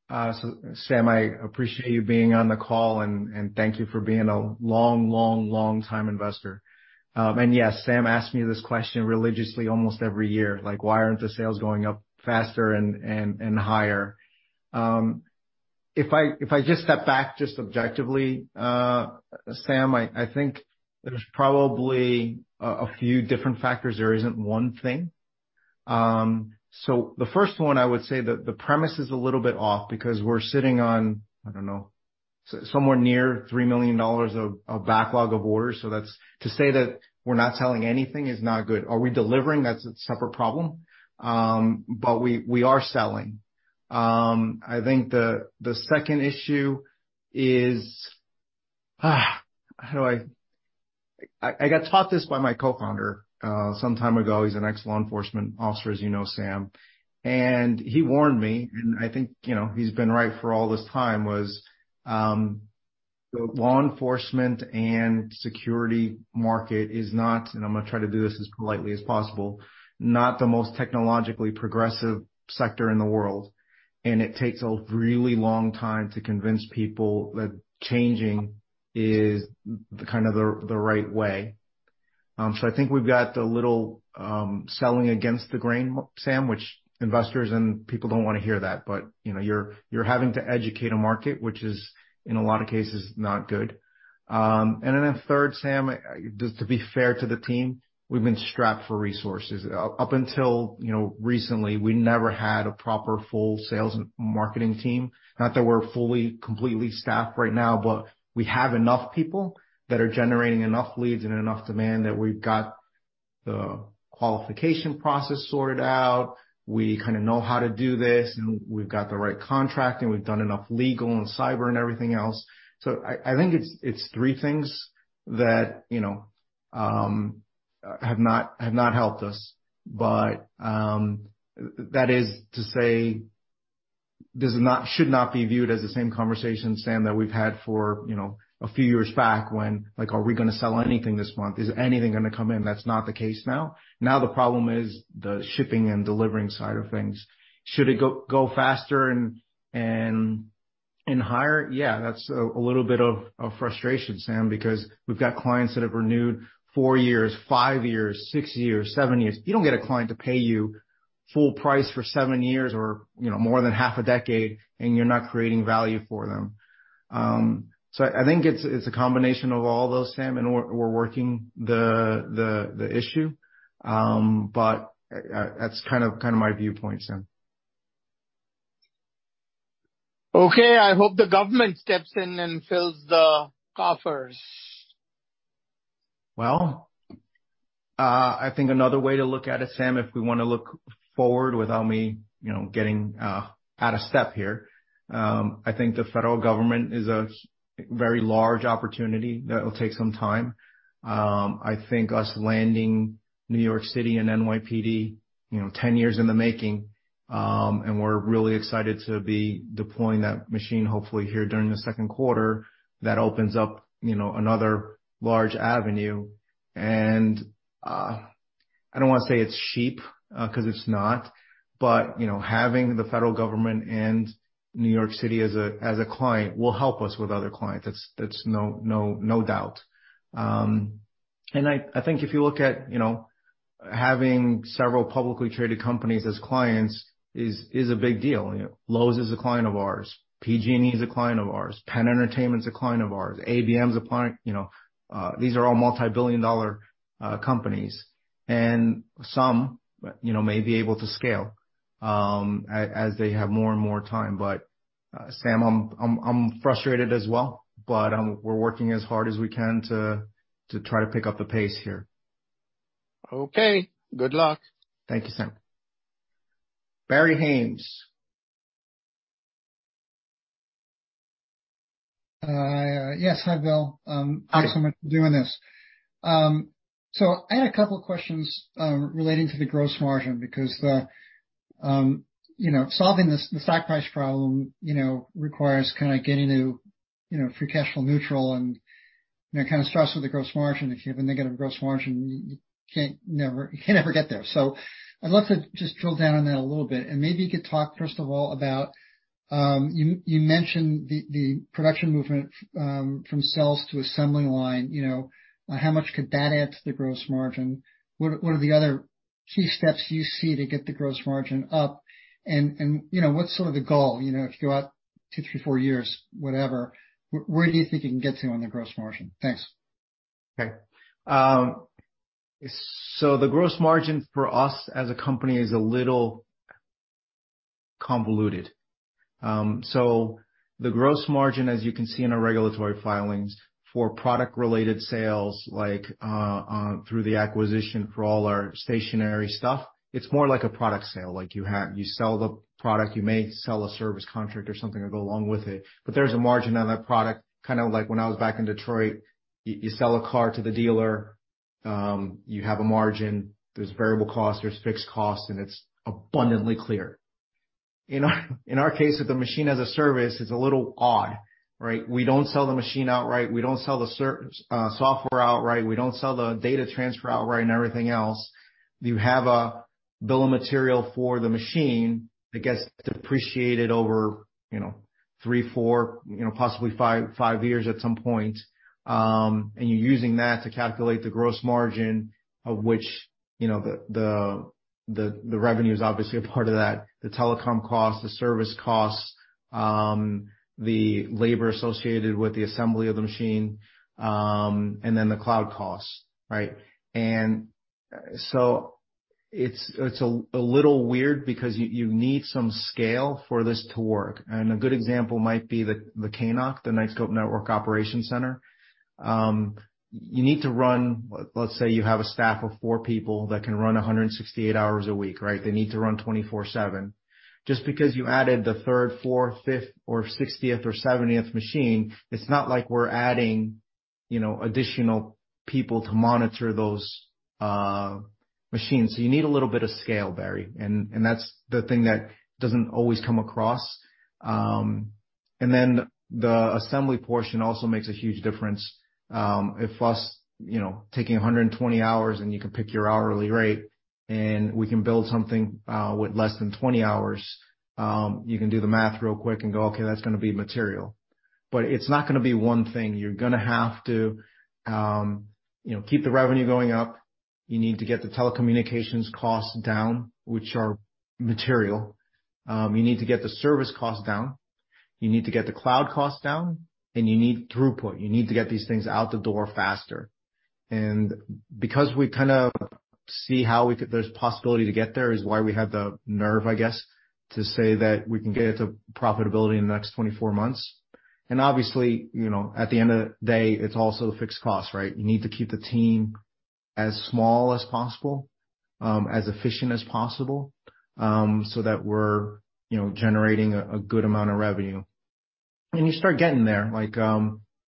Sam, I appreciate you being on the call, and thank you for being a long time investor. Yes, Sam asked me this question religiously almost every year, like, why aren't the sales going up faster and higher? If I just step back just objectively, Sam, I think there's probably a few different factors. There isn't one thing. The first one, I would say that the premise is a little bit off because we're sitting on, I don't know, somewhere near $3 million of backlog of orders. That's to say that we're not selling anything is not good. Are we delivering? That's a separate problem. We are selling. I think the second issue is... How do I... I got taught this by my co-founder, some time ago. He's an ex-law enforcement officer, as you know, Sam. He warned me, and I think, you know, he's been right for all this time, was, the law enforcement and security market is not, and I'm gonna try to do this as politely as possible, not the most technologically progressive sector in the world, and it takes a really long time to convince people that changing is kind of the right way. I think we've got a little selling against the grain, Sam, which investors and people don't wanna hear that. You know, you're having to educate a market which is, in a lot of cases, not good. A third, Sam, just to be fair to the team, we've been strapped for resources. Up until, you know, recently, we never had a proper full sales and marketing team. Not that we're fully, completely staffed right now, but we have enough people that are generating enough leads and enough demand that we've got the qualification process sorted out. We kinda know how to do this, and we've got the right contract, and we've done enough legal and cyber and everything else. I think it's three things that, you know, have not helped us. That is to say this is not, should not be viewed as the same conversation, Sam, that we've had for, you know, a few years back when, like, are we gonna sell anything this month? Is anything gonna come in? That's not the case now. The problem is the shipping and delivering side of things. Should it go faster and higher? Yeah, that's a little bit of frustration, Sam, because we've got clients that have renewed 4 years, 5 years, 6 years, 7 years. You don't get a client to pay you full price for 7 years or, you know, more than half a decade, and you're not creating value for them. I think it's a combination of all those, Sam, and we're working the issue. That's kind of my viewpoint, Sam. Okay, I hope the government steps in and fills the coffers. Well, I think another way to look at it, Sam, if we wanna look forward without me, you know, getting out of step here, I think the federal government is a very large opportunity that will take some time. I think us landing New York City and NYPD, you know, 10 years in the making, we're really excited to be deploying that machine hopefully here during the second quarter, that opens up, you know, another large avenue. I don't wanna say it's cheap 'cause it's not, but, you know, having the federal government and New York City as a client will help us with other clients. That's no doubt. I think if you look at, you know, having several publicly traded companies as clients is a big deal. You know, Lowe's is a client of ours. PG&E is a client of ours. Penn Entertainment is a client of ours. ABM is a client. You know, these are all multi-billion dollar companies, and some, you know, may be able to scale as they have more and more time. Sam, I'm frustrated as well, but we're working as hard as we can to try to pick up the pace here. Okay. Good luck. Thank you, Sam. Barry Hannes. Yes, hi, Bill. Thanks so much for doing this. I had a couple of questions relating to the gross margin because the, you know, solving the stock price problem, you know, requires kinda getting to, you know, free cash flow neutral and, you know, kinda starts with the gross margin. If you have a negative gross margin, you can't ever get there. I'd love to just drill down on that a little bit, and maybe you could talk first of all about, you mentioned the production movement from sales to assembly line, you know. How much could that add to the gross margin? What are the other key steps you see to get the gross margin up? You know, what's sort of the goal? You know, if you go out two, three, four years, whatever, where do you think you can get to on the gross margin? Thanks. Okay. The gross margin for us as a company is a little convoluted. The gross margin, as you can see in our regulatory filings for product-related sales, like, through the acquisition for all our stationary stuff, it's more like a product sale. Like, you sell the product. You may sell a service contract or something to go along with it, but there's a margin on that product. Kinda like when I was back in Detroit, you sell a car to the dealer, you have a margin. There's variable costs, there's fixed costs, it's abundantly clear. In our, in our case with the Machine-as-a-Service, it's a little odd, right? We don't sell the machine outright. We don't sell the software outright. We don't sell the data transfer outright and everything else. You have a bill of material for the machine that gets depreciated over 3, 4, possibly 5 years at some point. You're using that to calculate the gross margin of which the revenue is obviously a part of that. The telecom costs, the service costs, the labor associated with the assembly of the machine, and then the cloud costs, right? It's a little weird because you need some scale for this to work. A good example might be the KNOC, the Knightscope Network Operations Center. Let's say you have a staff of 4 people that can run 168 hours a week, right? They need to run 24/7. Just because you added the third, fourth, fifth or sixtieth or seventieth machine, it's not like we're adding, you know, additional people to monitor those machines. You need a little bit of scale, Barry, and that's the thing that doesn't always come across. The assembly portion also makes a huge difference. If us, you know, taking 120 hours and you can pick your hourly rate, and we can build something with less than 20 hours, you can do the math real quick and go, okay, that's gonna be material. It's not gonna be one thing. You're gonna have to, you know, keep the revenue going up. You need to get the telecommunications costs down, which are material. You need to get the service costs down. You need to get the cloud costs down, you need throughput. You need to get these things out the door faster. Because we kinda see how there's possibility to get there is why we have the nerve, I guess, to say that we can get it to profitability in the next 24 months. Obviously, you know, at the end of the day, it's also the fixed costs, right? You need to keep the team as small as possible, as efficient as possible, so that we're, you know, generating a good amount of revenue. You start getting there. Like,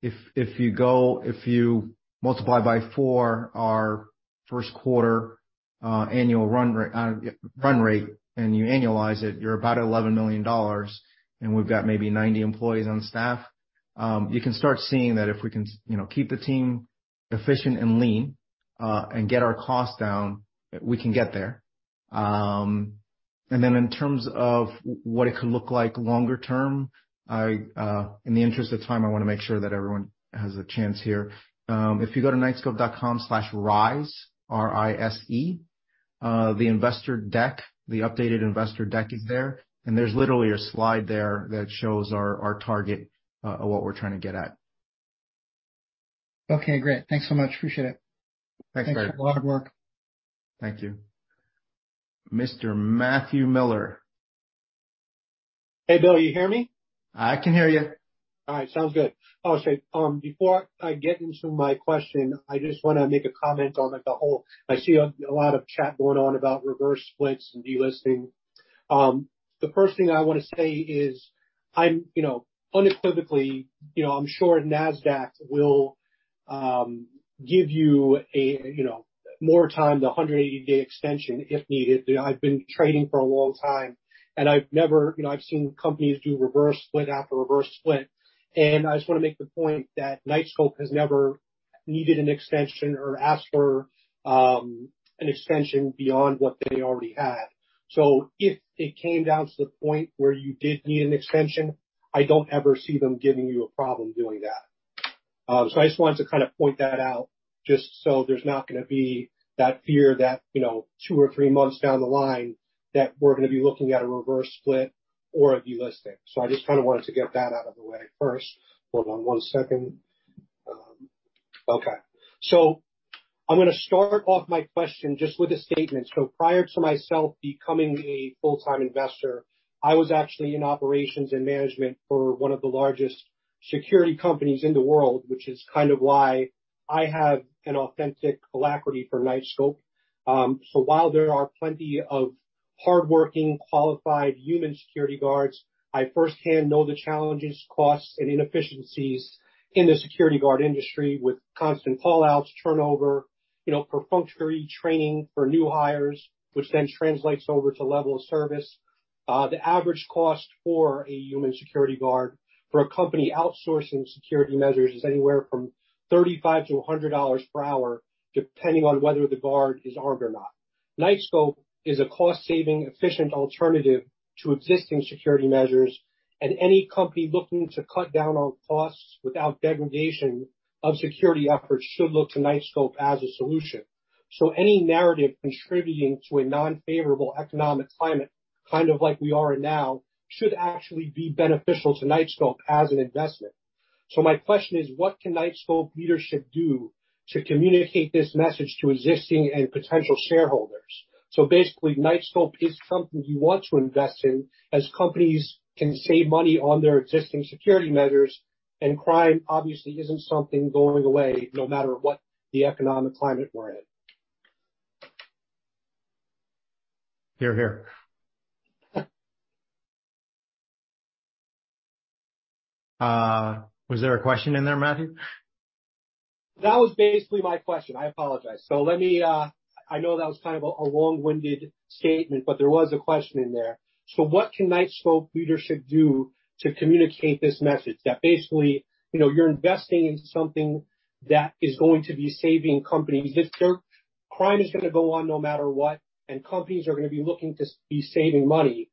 if you multiply by 4 our first quarter annual run rate and you annualize it, you're about at $11 million, and we've got maybe 90 employees on staff. You can start seeing that if we can, you know, keep the team efficient and lean, and get our costs down, we can get there. In terms of what it could look like longer term, I, in the interest of time, I wanna make sure that everyone has a chance here. If you go to knightscope.com/rise, R-I-S-E, the investor deck, the updated investor deck is there. There's literally a slide there that shows our target, of what we're trying to get at. Okay, great. Thanks so much. Appreciate it. Thanks, Barry. Thanks for all the hard work. Thank you. Mr. Matthew Miller. Hey, Bill, you hear me? I can hear you. All right. Sounds good. I'll say, before I get into my question, I just wanna make a comment on, like, I see a lot of chat going on about reverse splits and delisting. The first thing I wanna say is I'm, you know, unequivocally, you know, I'm sure Nasdaq will give you a, you know, more time, the 180-day extension if needed. You know, I've been trading for a long time, and I've seen companies do reverse split after reverse split, and I just wanna make the point that Knightscope has never needed an extension or asked for an extension beyond what they already had. If it came down to the point where you did need an extension, I don't ever see them giving you a problem doing that. I just wanted to kind of point that out just so there's not gonna be that fear that, you know, two or three months down the line that we're gonna be looking at a reverse split or a delisting. I just kinda wanted to get that out of the way first. Hold on one second. Okay. I'm gonna start off my question just with a statement. Prior to myself becoming a full-time investor, I was actually in operations and management for one of the largest security companies in the world, which is kind of why I have an authentic alacrity for Knightscope. While there are plenty of hardworking, qualified human security guards, I firsthand know the challenges, costs, and inefficiencies in the security guard industry with constant call-outs, turnover, you know, perfunctory training for new hires, which then translates over to level of service. The average cost for a human security guard for a company outsourcing security measures is anywhere from $35-$100 per hour, depending on whether the guard is armed or not. Knightscope is a cost-saving, efficient alternative to existing security measures, any company looking to cut down on costs without degradation of security efforts should look to Knightscope as a solution. Any narrative contributing to a non-favorable economic climate, kind of like we are in now, should actually be beneficial to Knightscope as an investment. My question is, what can Knightscope leadership do to communicate this message to existing and potential shareholders? Basically, Knightscope is something you want to invest in as companies can save money on their existing security measures, and crime obviously isn't something going away no matter what the economic climate we're in. Hear, hear. Was there a question in there, Matthew? That was basically my question. I apologize. I know that was kind of a long-winded statement, but there was a question in there. What can Knightscope leadership do to communicate this message that basically, you know, you're investing into something that is going to be saving companies? Crime is gonna go on no matter what, and companies are gonna be looking to be saving money.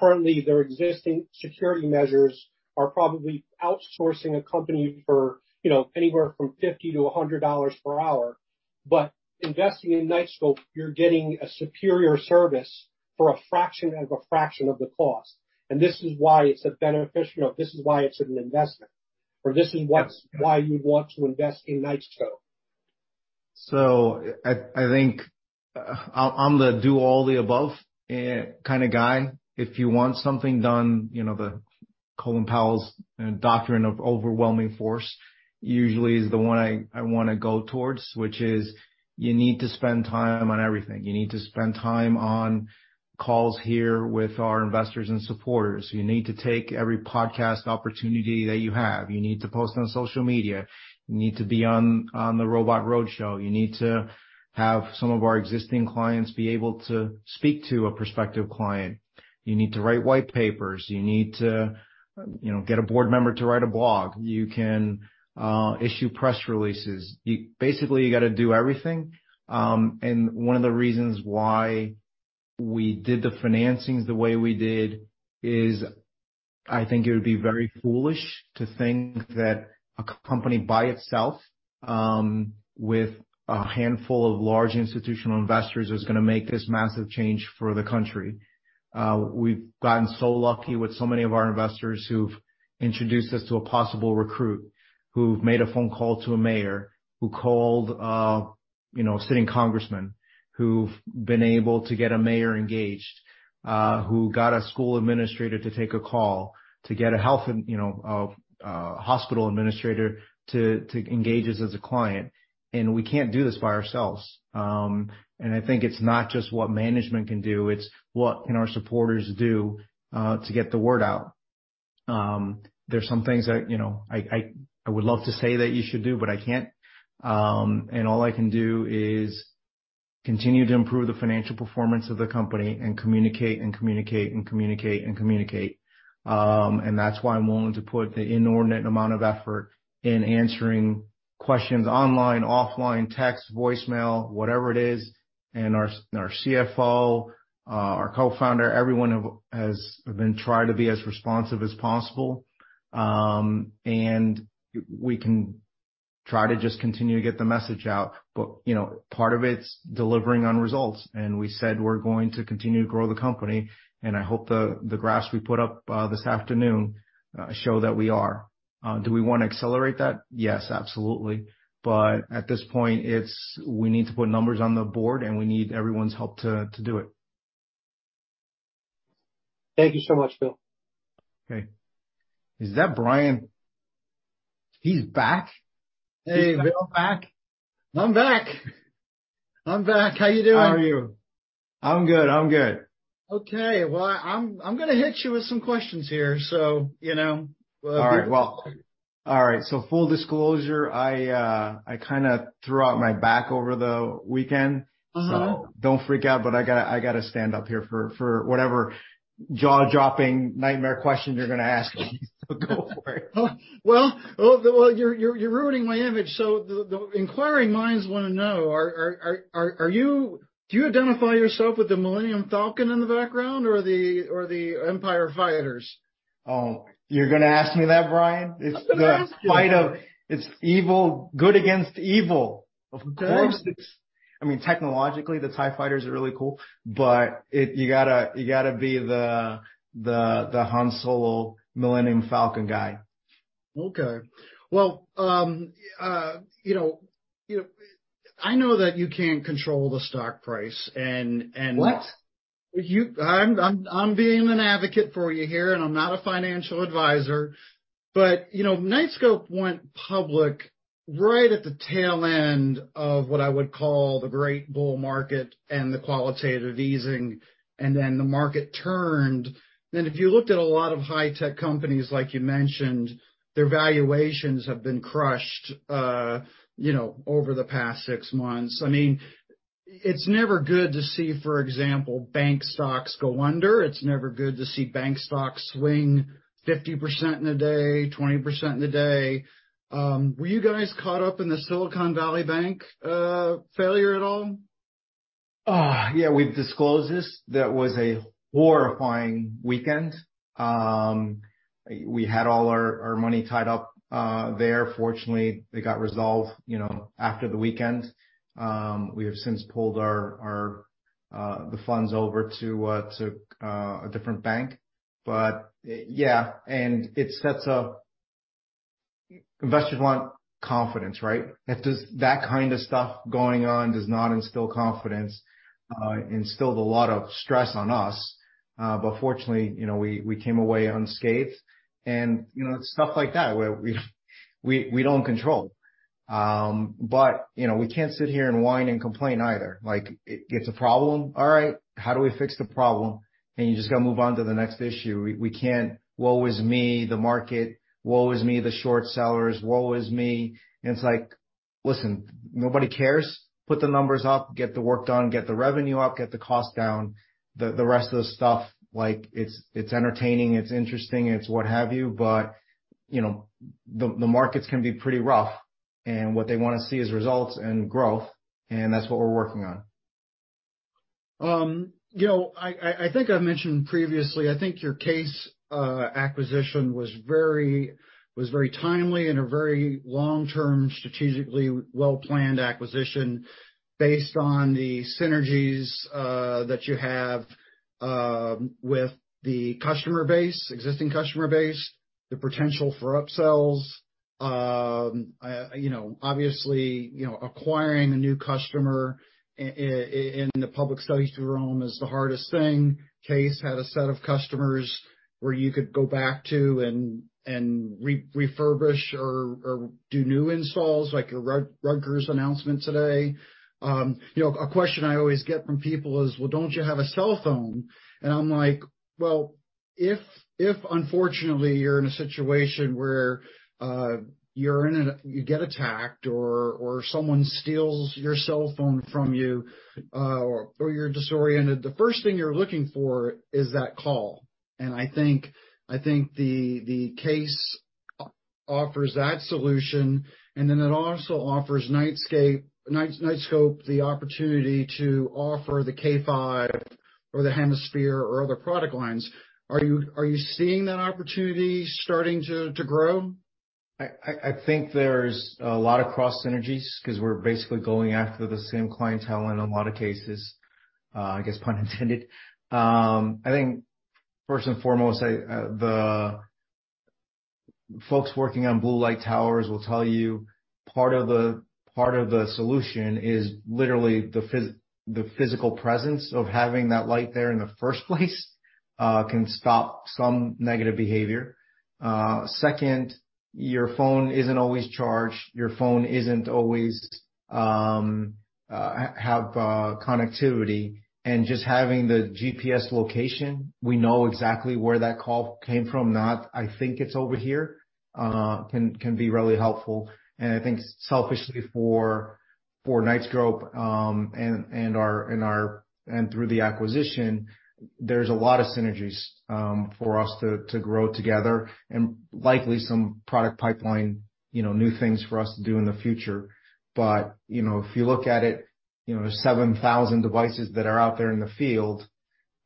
Currently, their existing security measures are probably outsourcing a company for, you know, anywhere from $50 to $100 per hour. Investing in Knightscope, you're getting a superior service for a fraction of a fraction of the cost. You know, this is why it's an investment or this is. Yes. why you'd want to invest in Knightscope. I think, I'm the do all the above, kinda guy. If you want something done, you know, the Colin Powell's doctrine of overwhelming force usually is the one I wanna go towards, which is you need to spend time on everything. You need to spend time on calls here with our investors and supporters. You need to take every podcast opportunity that you have. You need to post on social media. You need to be on the Robot Roadshow. You need to have some of our existing clients be able to speak to a prospective client. You need to write white papers. You need to, you know, get a board member to write a blog. You can issue press releases. You basically, you gotta do everything. One of the reasons why we did the financings the way we did is I think it would be very foolish to think that a company by itself, with a handful of large institutional investors is gonna make this massive change for the country. We've gotten so lucky with so many of our investors who've introduced us to a possible recruit, who've made a phone call to a mayor, who called, you know, sitting congressman, who've been able to get a mayor engaged, who got a school administrator to take a call, to get a health and, you know, hospital administrator to engage us as a client. We can't do this by ourselves. I think it's not just what management can do, it's what can our supporters do, to get the word out. There's some things that, you know, I would love to say that you should do, but I can't. All I can do is continue to improve the financial performance of the company and communicate, and communicate, and communicate, and communicate. That's why I'm willing to put the inordinate amount of effort in answering questions online, offline, text, voicemail, whatever it is. Our CFO, our co-founder, everyone has been trying to be as responsive as possible. We can try to just continue to get the message out. You know, part of it's delivering on results. We said we're going to continue to grow the company, and I hope the graphs we put up this afternoon show that we are. Do we wanna accelerate that? Yes, absolutely. At this point, it's we need to put numbers on the board, and we need everyone's help to do it. Thank you so much, Bill. Okay. Is that Brian? He's back. Hey, Bill. I'm back. How you doing? How are you? I'm good. Okay. Well, I'm gonna hit you with some questions here. you know, All right. Well... All right. Full disclosure, I kinda threw out my back over the weekend. Uh-huh. don't freak out, but I gotta stand up here for whatever jaw-dropping nightmare question you're gonna ask me. Go for it. Well, oh, well, you're ruining my image. The inquiring minds wanna know. Do you identify yourself with the Millennium Falcon in the background or the Empire fighters? Oh, you're gonna ask me that, Brian? I'm gonna ask you. It's evil, good against evil. Of course. I mean, technologically, the TIE fighters are really cool, but it, you gotta be the Han Solo Millennium Falcon guy. Okay. Well, you know, I know that you can't control the stock price and. What? I'm being an advocate for you here. I'm not a financial advisor. You know, Knightscope went public right at the tail end of what I would call the great bull market and the qualitative easing. The market turned. If you looked at a lot of high-tech companies, like you mentioned, their valuations have been crushed, you know, over the past 6 months. I mean, it's never good to see, for example, bank stocks go under. It's never good to see bank stocks swing 50% in a day, 20% in a day. Were you guys caught up in the Silicon Valley Bank failure at all? Yeah, we've disclosed this. That was a horrifying weekend. We had all our money tied up there. Fortunately, it got resolved, you know, after the weekend. We have since pulled our the funds over to to a different bank. Yeah, Investors want confidence, right? That kind of stuff going on does not instill confidence, instilled a lot of stress on us. Fortunately, you know, we came away unscathed and, you know, it's stuff like that where we don't control. You know, we can't sit here and whine and complain either. Like, it's a problem, all right, how do we fix the problem? You just gotta move on to the next issue. We can't, "Woe is me, the market. Woe is me, the short sellers. Woe is me." It's like, listen, nobody cares. Put the numbers up, get the work done, get the revenue up, get the cost down. The rest of the stuff, like, it's entertaining, it's interesting, it's what have you, but, you know, the markets can be pretty rough. What they wanna see is results and growth, and that's what we're working on. you know, I think I've mentioned previously, I think your CASE acquisition was very timely and a very long-term, strategically well-planned acquisition based on the synergies that you have with the customer base, existing customer base, the potential for upsells. you know, obviously, you know, acquiring a new customer in the public safety room is the hardest thing. CASE had a set of customers where you could go back to and refurbish or do new installs, like your Rutgers announcement today. You know, a question I always get from people is, "Well, don't you have a cell phone?" I'm like, "Well, if unfortunately you're in a situation where you get attacked or someone steals your cell phone from you, or you're disoriented, the first thing you're looking for is that call." I think the CASE offers that solution, and then it also offers Knightscope the opportunity to offer the K5 or the Hemisphere or other product lines. Are you seeing that opportunity starting to grow? I think there's a lot of cross synergies 'cause we're basically going after the same clientele in a lot of cases, I guess, pun intended. I think first and foremost, the folks working on blue light towers will tell you part of the solution is literally the physical presence of having that light there in the first place, can stop some negative behavior. Second, your phone isn't always charged. Your phone isn't always have connectivity. Just having the GPS location, we know exactly where that call came from, not I think it's over here, can be really helpful. I think selfishly for Knightscope, and through the acquisition, there's a lot of synergies, for us to grow together and likely some product pipeline, you know, new things for us to do in the future. You know, if you look at it, you know, 7,000 devices that are out there in the field,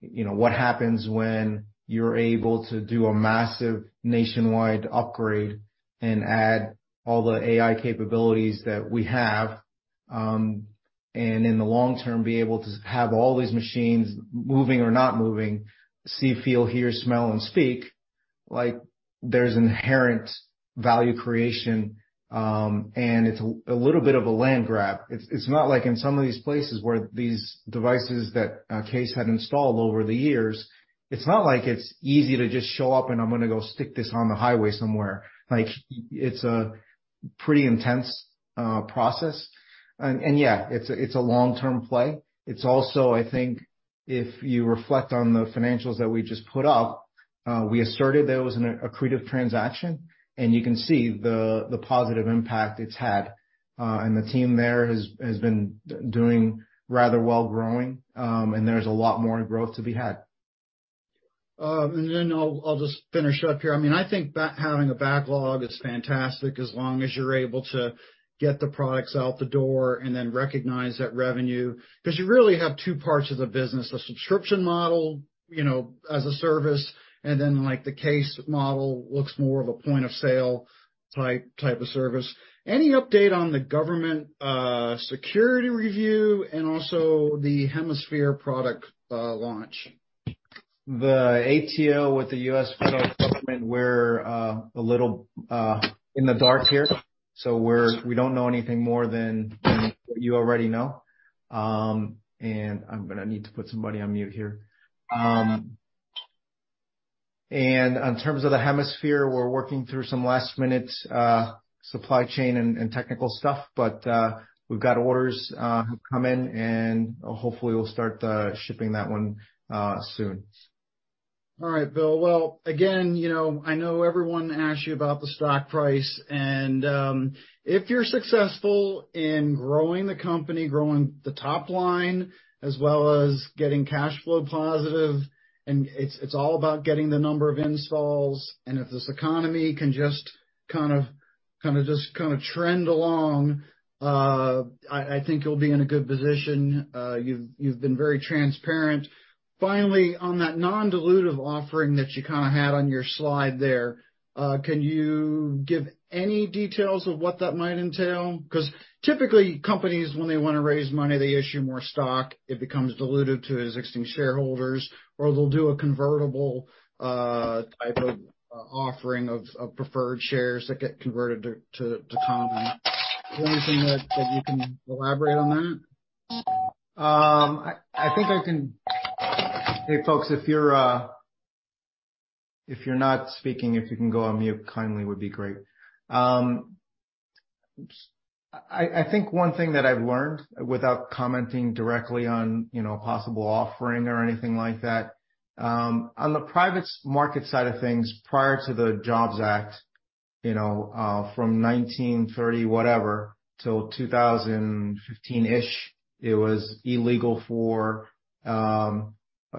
you know, what happens when you're able to do a massive nationwide upgrade and add all the AI capabilities that we have, and in the long term, be able to have all these machines moving or not moving, see, feel, hear, smell and speak like there's inherent value creation, and it's a little bit of a land grab. It's not like in some of these places where these devices that Case had installed over the years, it's not like it's easy to just show up and I'm gonna go stick this on the highway somewhere. Like, it's a pretty intense process. Yeah, it's a long-term play. It's also, I think, if you reflect on the financials that we just put up, we asserted that it was an accretive transaction, and you can see the positive impact it's had. The team there has been doing rather well growing, and there's a lot more growth to be had. Then I'll just finish up here. I mean, I think having a backlog is fantastic as long as you're able to get the products out the door and then recognize that revenue. 'Cause you really have two parts of the business, the subscription model, you know, as a service, and then, like, the CASE model looks more of a point-of-sale type of service. Any update on the government security review and also the Hemisphere product launch? The ATO with the U.S. federal government, we're a little in the dark here. We don't know anything more than what you already know. I'm gonna need to put somebody on mute here. In terms of the K1 Hemisphere, we're working through some last-minute supply chain and technical stuff. We've got orders come in, hopefully we'll start shipping that one soon. All right, Bill. Well, again, you know, I know everyone asks you about the stock price, and if you're successful in growing the company, growing the top line, as well as getting cash flow positive, and it's all about getting the number of installs. If this economy can just kind of trend along, I think you'll be in a good position. You've been very transparent. Finally, on that non-dilutive offering that you kinda had on your slide there, can you give any details of what that might entail? Typically, companies, when they wanna raise money, they issue more stock. It becomes dilutive to existing shareholders, or they'll do a convertible type of offering of preferred shares that get converted to common. Is there anything that you can elaborate on that? Hey, folks, if you're not speaking, if you can go on mute kindly, would be great. Oops, one thing that I've learned, without commenting directly on, you know, a possible offering or anything like that, on the private market side of things, prior to the JOBS Act, you know, from 1930 whatever till 2015-ish, it was illegal for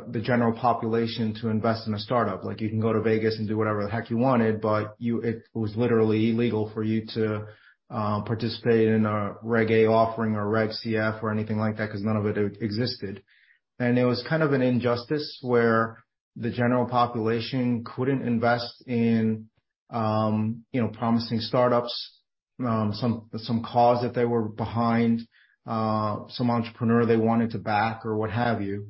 the general population to invest in a startup. You can go to Vegas and do whatever the heck you wanted, but it was literally illegal for you to participate in a Regulation A offering or Regulation CF or anything like that 'cause none of it existed. It was kind of an injustice where the general population couldn't invest in, you know, promising startups, some cause if they were behind some entrepreneur they wanted to back or what have you.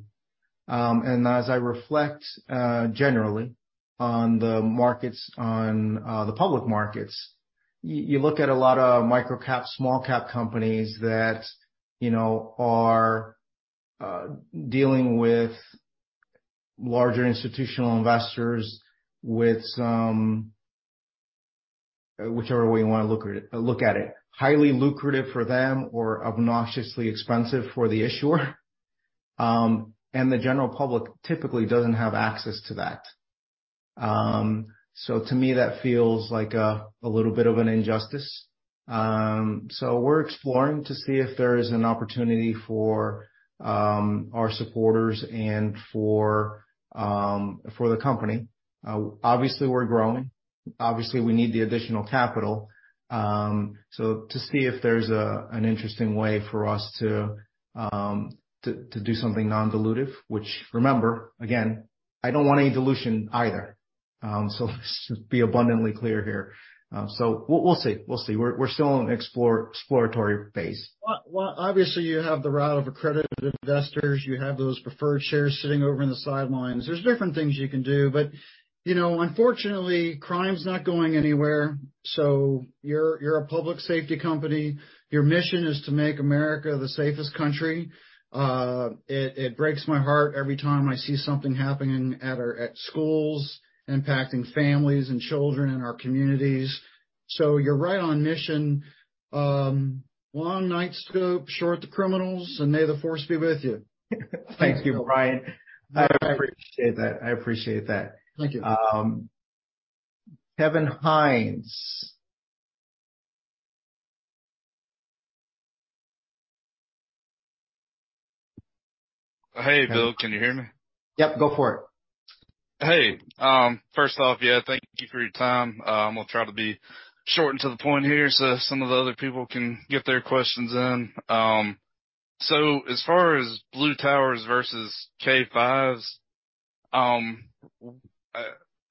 As I reflect generally on the markets on the public markets, you look at a lot of micro-cap, small-cap companies that, you know, are dealing with larger institutional investors with some whichever way you wanna look at it. Highly lucrative for them or obnoxiously expensive for the issuer. The general public typically doesn't have access to that. To me, that feels like a little bit of an injustice. We're exploring to see if there is an opportunity for our supporters and for the company. Obviously we're growing. Obviously, we need the additional capital. To see if there's an interesting way for us to do something non-dilutive, which remember, again, I don't want any dilution either. Just be abundantly clear here. We'll see. We're still in exploratory phase. Well, obviously you have the route of accredited investors. You have those preferred shares sitting over in the sidelines. There's different things you can do, but, you know, unfortunately, crime's not going anywhere, so you're a public safety company. Your mission is to make America the safest country. It breaks my heart every time I see something happening at schools impacting families and children in our communities. You're right on mission. Long Knightscope, short the criminals, and may the force be with you. Thank you, Brian. I appreciate that. I appreciate that. Thank you. Kevin Hines. Hey, Bill. Can you hear me? Yep. Go for it. Hey. First off, yeah, thank you for your time. I'm gonna try to be short and to the point here so some of the other people can get their questions in. As far as Blue Towers versus K5s,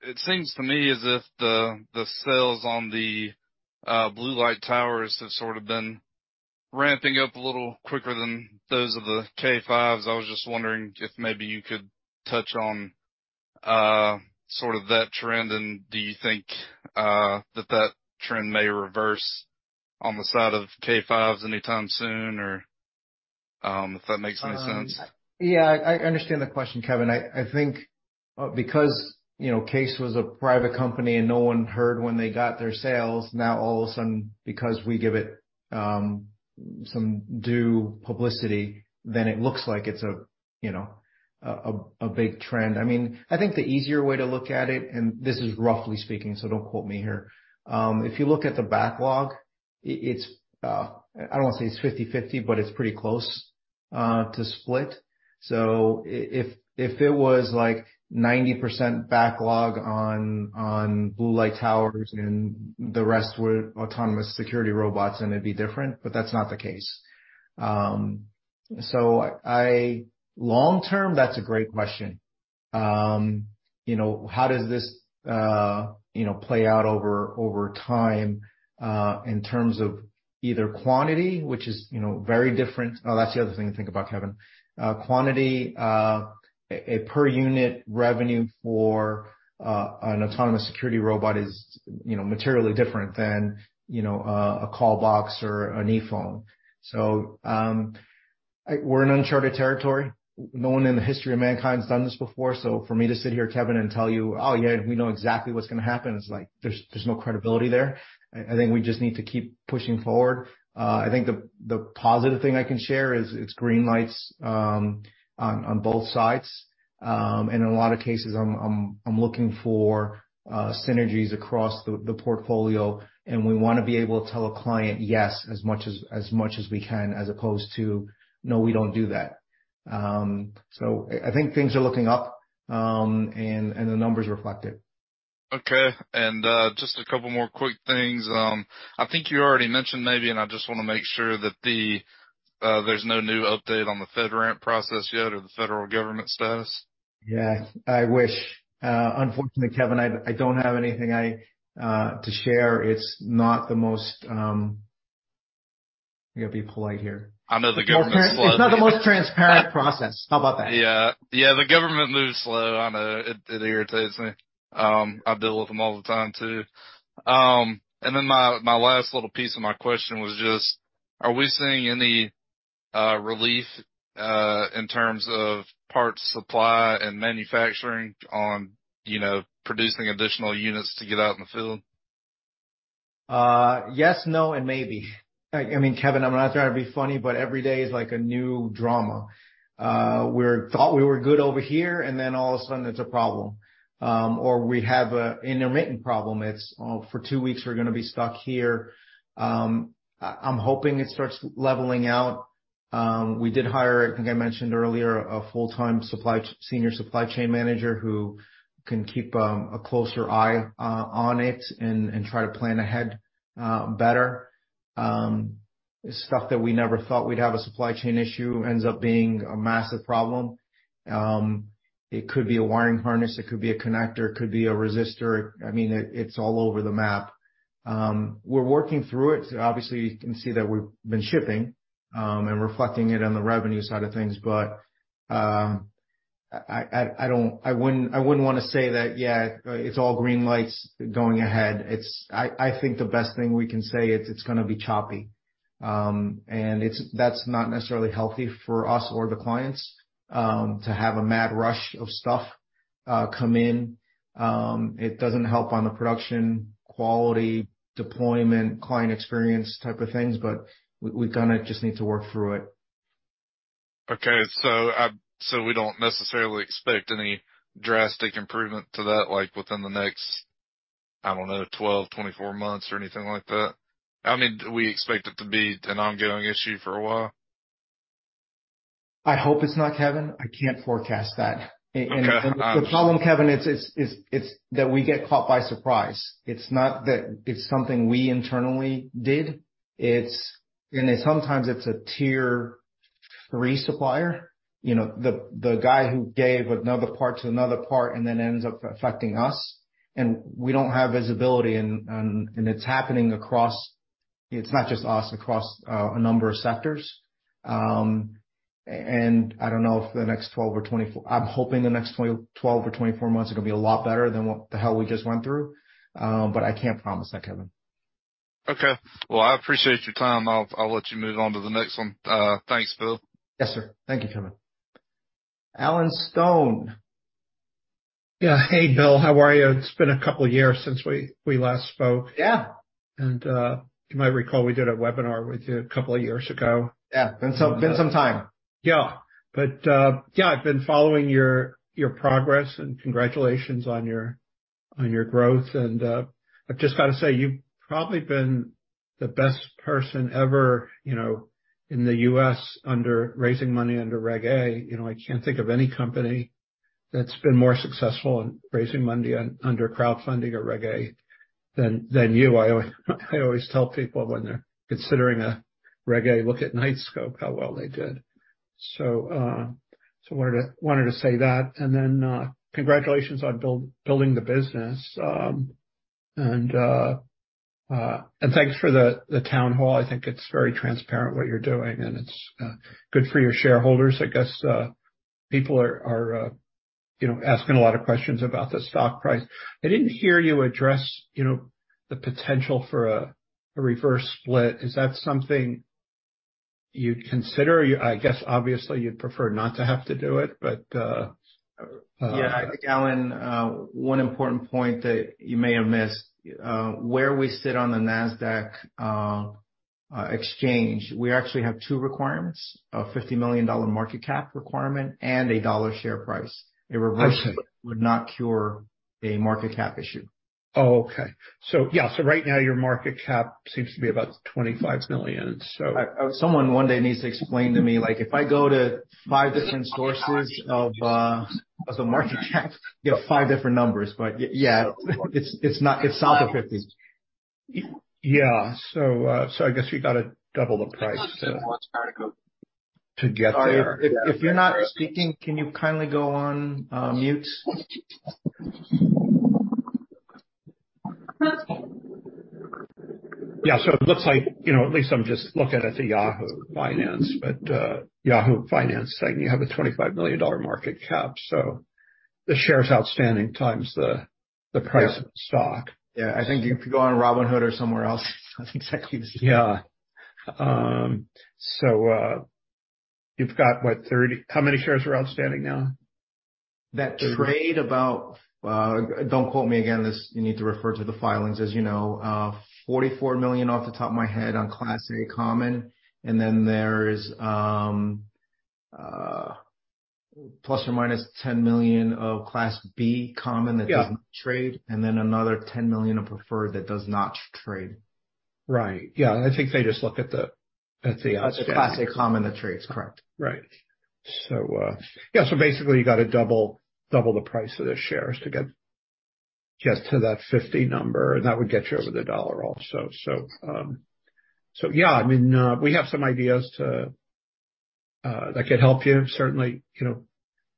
it seems to me as if the sales on the Blue Light Towers have sort of been ramping up a little quicker than those of the K5s. I was just wondering if maybe you could touch on sort of that trend, and do you think that that trend may reverse on the side of K5s anytime soon or, if that makes any sense? Yeah. I understand the question, Kevin. I think, because, you know, CASE was a private company and no one heard when they got their sales, now all of a sudden, because we give it some due publicity, then it looks like it's a, you know, a big trend. I mean, I think the easier way to look at it, and this is roughly speaking, so don't quote me here. If you look at the backlog. It's, I don't wanna say it's 50/50, but it's pretty close to split. If it was like 90% backlog on blue light towers and the rest were autonomous security robots then it'd be different, but that's not the case. Long term, that's a great question. You know, how does this, you know, play out over time, in terms of either quantity, which is, you know, very different. That's the other thing to think about, Kevin. Quantity, a per unit revenue for an Autonomous Security Robot is, you know, materially different than, you know, a call box or an e-phone. We're in uncharted territory. No one in the history of mankind's done this before. For me to sit here, Kevin, and tell you, "Oh, yeah, we know exactly what's gonna happen," it's like there's no credibility there. I think we just need to keep pushing forward. I think the positive thing I can share is green lights on both sides. In a lot of cases, I'm looking for synergies across the portfolio, and we wanna be able to tell a client yes as much as we can, as opposed to, "No, we don't do that." I think things are looking up, and the numbers reflect it. Okay. Just a couple more quick things. I think you already mentioned maybe, and I just wanna make sure that there's no new update on the FedRAMP process yet or the federal government status? Yeah, I wish. Unfortunately, Kevin, I don't have anything to share. It's not the most... I gotta be polite here. I know the government's slow. It's not the most transparent process. How about that? Yeah. Yeah, the government moves slow, I know. It irritates me. I deal with them all the time too. My last little piece of my question was just, are we seeing any relief in terms of parts supply and manufacturing on, you know, producing additional units to get out in the field? Yes, no, and maybe. I mean, Kevin, I'm not trying to be funny, but every day is like a new drama. We thought we were good over here, then all of a sudden it's a problem. We have an intermittent problem. It's, oh, for two weeks we're gonna be stuck here. I'm hoping it starts leveling out. We did hire, I think I mentioned earlier, a full-time senior supply chain manager who can keep a closer eye on it and try to plan ahead better. Stuff that we never thought we'd have a supply chain issue ends up being a massive problem. It could be a wiring harness, it could be a connector, it could be a resistor. I mean it's all over the map. We're working through it. Obviously, you can see that we've been shipping, and reflecting it on the revenue side of things. I wouldn't wanna say that, yeah, it's all green lights going ahead. I think the best thing we can say is it's gonna be choppy. That's not necessarily healthy for us or the clients, to have a mad rush of stuff, come in. It doesn't help on the production, quality, deployment, client experience type of things, but we kinda just need to work through it. We don't necessarily expect any drastic improvement to that, like within the next, I don't know, 12, 24 months or anything like that? I mean, do we expect it to be an ongoing issue for a while? I hope it's not, Kevin. I can't forecast that. Okay. The problem, Kevin, it's that we get caught by surprise. It's not that it's something we internally did. It's. Sometimes it's a tier 3 supplier. You know, the guy who gave another part to another part and then ends up affecting us, and we don't have visibility and it's happening across, it's not just us, across a number of sectors. I don't know if the next 12 or 24 months are gonna be a lot better than what the hell we just went through. I can't promise that, Kevin. Okay. Well, I appreciate your time. I'll let you move on to the next one. Thanks, Bill. Yes, sir. Thank you, Kevin. Alan Stone. Yeah. Hey, Bill. How are you? It's been a couple of years since we last spoke. Yeah. You might recall we did a webinar with you 2 years ago. Yeah. Been some time. Yeah. Yeah, I've been following your progress, congratulations on your, on your growth. I've just got to say, you've probably been the best person ever, you know, in the U.S. under raising money under Regulation A. You know, I can't think of any company that's been more successful in raising money under crowdfunding or Regulation A than you. I always tell people when they're considering a Regulation A, look at Knightscope, how well they did. Wanted to say that. Congratulations on building the business. Thanks for the town hall. I think it's very transparent what you're doing, and it's good for your shareholders. People are, you know, asking a lot of questions about the stock price. I didn't hear you address, you know, the potential for a reverse split. Is that something you'd consider? I guess obviously you'd prefer not to have to do it, but, Alan, one important point that you may have missed, where we sit on the Nasdaq exchange. We actually have two requirements, a $50 million market cap requirement and a $1 share price. I see. A reverse split would not cure a market cap issue. Okay. Yeah. Right now your market cap seems to be about $25 million. Someone one day needs to explain to me, like if I go to five different sources of the market cap, you have five different numbers. Yeah, it's not the 50. Yeah. I guess you got to double the price to get there. If you're not speaking, can you kindly go on mute? Yeah. It looks like, you know, at least I'm just looking at the Yahoo Finance, but, Yahoo Finance saying you have a $25 million market cap, so the shares outstanding times the price of stock. Yeah. I think if you go on Robinhood or somewhere else, I think that gives you- Yeah. You've got How many shares are outstanding now? That trade about, don't quote me again, this you need to refer to the filings. As you know, $44 million off the top of my head on Class A common. There's, ±$10 million of Class B common that doesn't trade, another $10 million of preferred that does not trade. Right. Yeah. I think they just look at the. At the Class A common that trades. Correct. Right. Yeah, basically you got to double the price of the shares to get to that 50 number, and that would get you over the $1 also. Yeah, I mean, we have some ideas that could help you. Certainly, you know,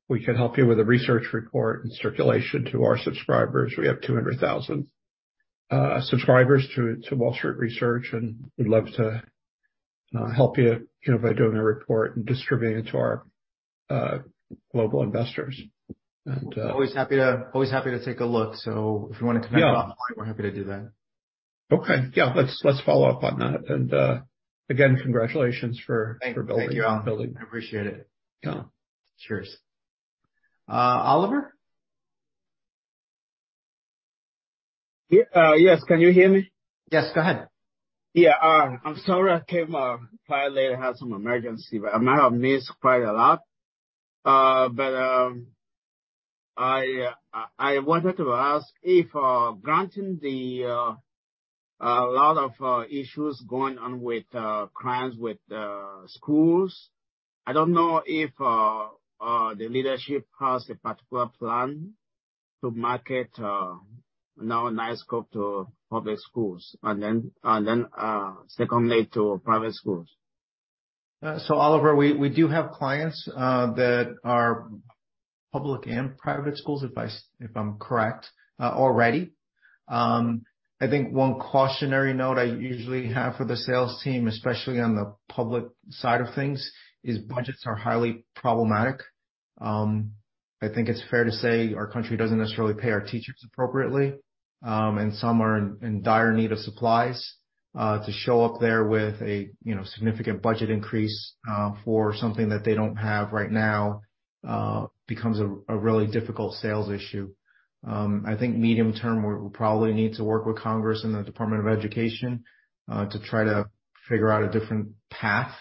we could help you with a research report and circulation to our subscribers. We have 200,000 subscribers to Wall Street Research, and we'd love to help you know, by doing a report and distributing it to our global investors. Always happy to take a look. If you want to connect offline, we're happy to do that. Okay. Yeah, let's follow up on that. Again, congratulations for building. Thank you. I appreciate it. Yeah. Cheers. Oliver. Yeah. yes. Can you hear me? Yes, go ahead. Yeah. I'm sorry I came quite late. I had some emergency. I might have missed quite a lot. I wanted to ask if granting the a lot of issues going on with crimes with schools, I don't know if the leadership has a particular plan to market now Knightscope to public schools and then, secondly, to private schools. Oliver, we do have clients that are public and private schools, if I'm correct, already. I think one cautionary note I usually have for the sales team, especially on the public side of things, is budgets are highly problematic. I think it's fair to say our country doesn't necessarily pay our teachers appropriately. Some are in dire need of supplies to show up there with a, you know, significant budget increase for something that they don't have right now, becomes a really difficult sales issue. I think medium-term, we'll probably need to work with Congress and the Department of Education to try to figure out a different path.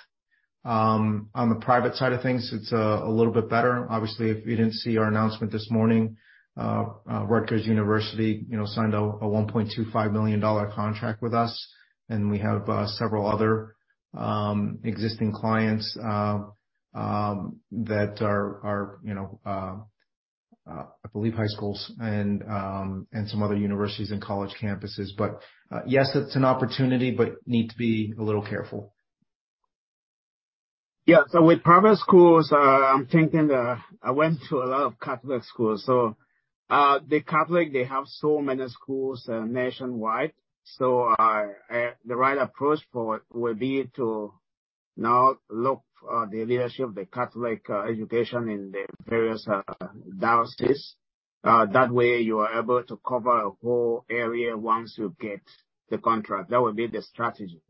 On the private side of things, it's a little bit better. Obviously, if you didn't see our announcement this morning, Rutgers University, you know, signed a $1.25 million contract with us. We have several other existing clients that are, you know, I believe high schools and some other universities and college campuses. Yes, it's an opportunity, but need to be a little careful. Yeah. With private schools, I'm thinking that I went to a lot of Catholic schools. The Catholic, they have so many schools nationwide. The right approach for it would be to now look, the leadership of the Catholic education in the various dioceses. That way you are able to cover a whole area once you get the contract. That would be the strategy.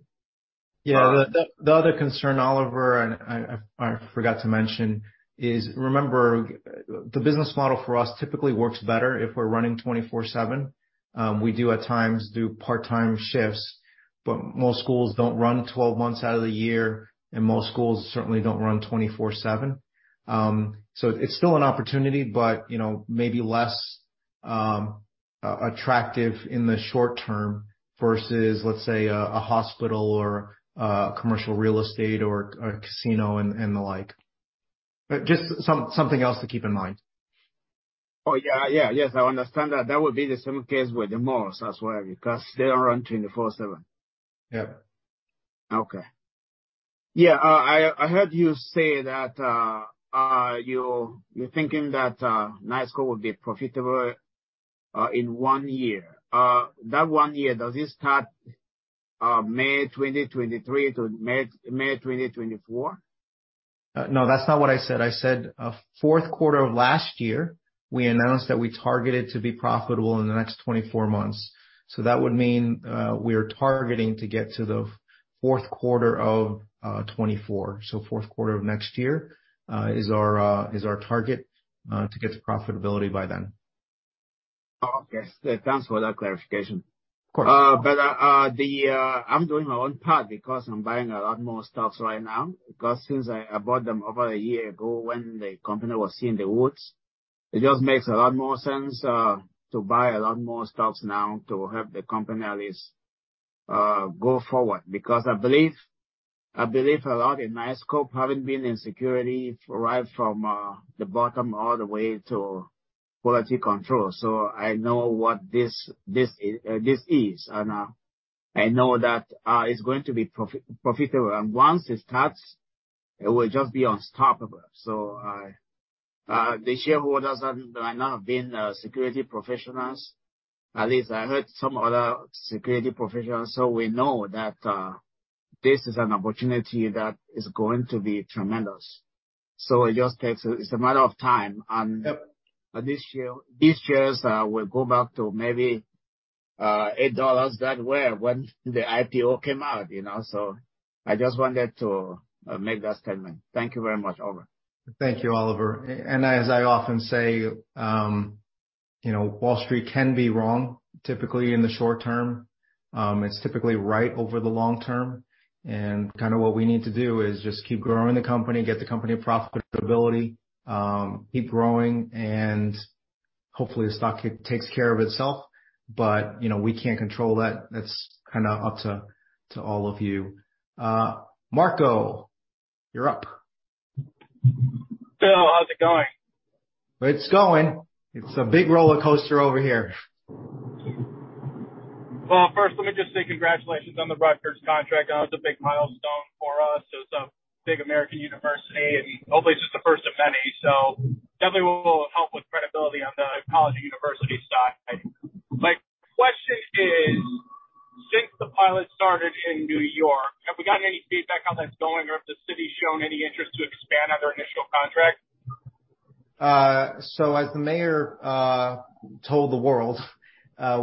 Yeah. The other concern, Oliver, and I forgot to mention is, remember, the business model for us typically works better if we're running 24/7. We do at times do part-time shifts, but most schools don't run 12 months out of the year, and most schools certainly don't run 24/7. It's still an opportunity, but, you know, maybe less attractive in the short term versus, let say, a hospital or commercial real estate or a casino and the like. Just something else to keep in mind. Oh, yeah. Yeah. Yes, I understand that. That would be the same case with the malls as well, because they don't run 24/7. Yeah. Okay. Yeah. I heard you say that you're thinking that Knightscope would be profitable in one year. That one year, does it start May 2023 to May 2024? No, that's not what I said. I said, fourth quarter of last year, we announced that we targeted to be profitable in the next 24 months. That would mean, we are targeting to get to the fourth quarter of 2024. Fourth quarter of next year, is our target, to get to profitability by then. Okay. Thanks for that clarification. Of course. I'm doing my own part because I'm buying a lot more stocks right now, because since I bought them over a year ago when the company was in the woods, it just makes a lot more sense to buy a lot more stocks now to help the company at least go forward. I believe, I believe a lot in Knightscope having been in security right from the bottom all the way to quality control. I know what this is. I know that it's going to be profitable. Once it starts, it will just be unstoppable. The shareholders that do not have been security professionals, at least I heard some other security professionals, we know that this is an opportunity that is going to be tremendous. It's a matter of time. Yep. This year, these shares, will go back to maybe, $8 that where when the IPO came out, you know. I just wanted to make that statement. Thank you very much. Over. Thank you, Oliver. As I often say, you know, Wall Street can be wrong, typically in the short term. It's typically right over the long term. Kinda what we need to do is just keep growing the company, get the company profitability, keep growing, and hopefully the stock takes care of itself. You know, we can't control that. That's kinda up to all of you. Marco, you're up. Bill, how's it going? It's going. It's a big roller coaster over here. First, let me just say congratulations on the Rutgers contract. That was a big milestone for us. It's a big American university, and hopefully it's just the first of many. Definitely will help with credibility on the college and university side. My question is, since the pilot started in New York, have we gotten any feedback how that's going or if the city's shown any interest to expand on their initial contract? As the mayor told the world,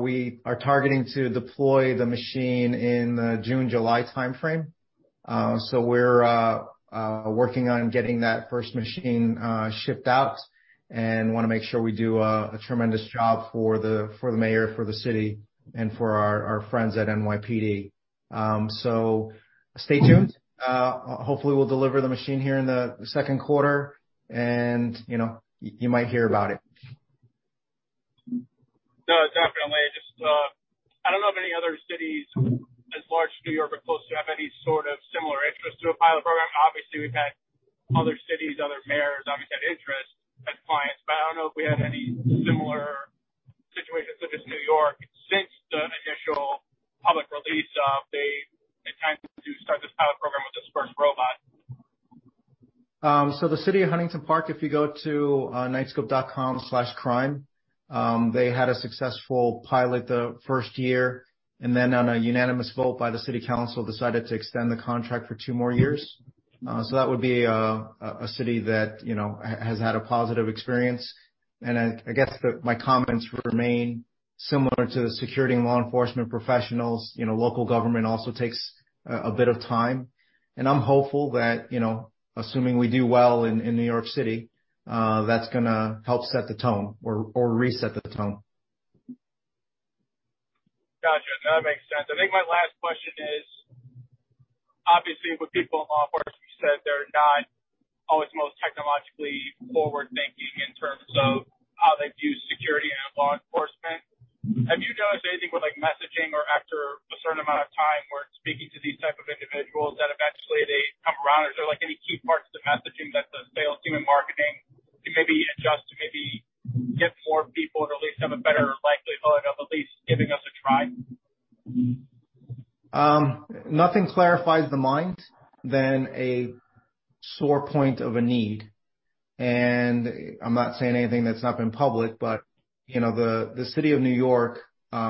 we are targeting to deploy the machine in the June-July timeframe. We're working on getting that first machine shipped out and wanna make sure we do a tremendous job for the, for the mayor, for the city, and for our friends at NYPD. Stay tuned. Hopefully, we'll deliver the machine here in the second quarter and, you know, you might hear about it. No, definitely. Just, I don't know of any other cities as large as New York or close to have any sort of similar interest to a pilot program. Obviously, we've had other cities, other mayors, obviously had interest as clients. I don't know if we had any similar situations such as New York since the initial public release of the intent to start this pilot program with this first robot. The city of Huntington Park, if you go to Knightscope.com/crime, they had a successful pilot the first year, on a unanimous vote by the city council, decided to extend the contract for two more years. That would be a city that, you know, has had a positive experience. I guess that my comments remain similar to the security and law enforcement professionals. You know, local government also takes a bit of time. I'm hopeful that, you know, assuming we do well in New York City, that's gonna help set the tone or reset the tone. Gotcha. That makes sense. I think my last question is, obviously with people in law enforcement, you said they're not always the most technologically forward-thinking in terms of how they view security and law enforcement. Have you noticed anything with, like, messaging or after a certain amount of time where speaking to these type of individuals that eventually they come around? Is there, like, any key parts to messaging that the sales team and marketing can maybe adjust to maybe get more people or at least have a better likelihood of at least giving us a try? Nothing clarifies the mind than a sore point of a need. I'm not saying anything that's not been public, but, you know, the city of New York, you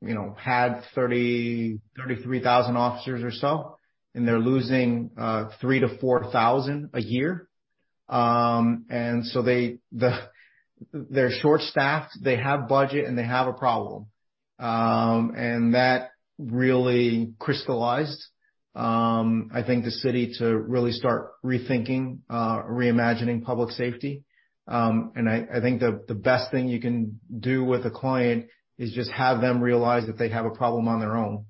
know, had 30,000-33,000 officers or so, and they're losing 3,000-4,000 a year. They're short-staffed, they have budget, and they have a problem. That really crystallized, I think the city to really start rethinking, reimagining public safety. I think the best thing you can do with a client is just have them realize that they have a problem on their own.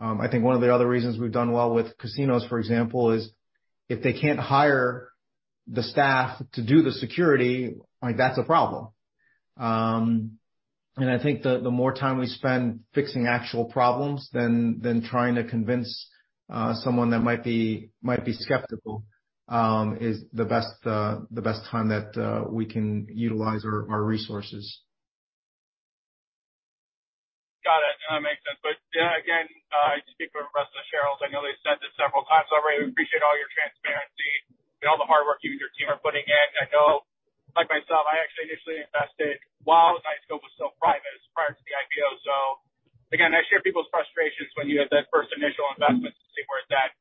I think one of the other reasons we've done well with casinos, for example, is if they can't hire the staff to do the security, like, that's a problem. I think the more time we spend fixing actual problems than trying to convince someone that might be skeptical, is the best time that we can utilize our resources. Got it. No, that makes sense. Yeah, again, I speak for the rest of the shareholders. I know they've said this several times already. We appreciate all your transparency and all the hard work you and your team are putting in. I know like myself, I actually initially invested while Knightscope was still private, it was prior to the IPO. Again, I share people's frustrations when you have that first initial investment to see where it's at.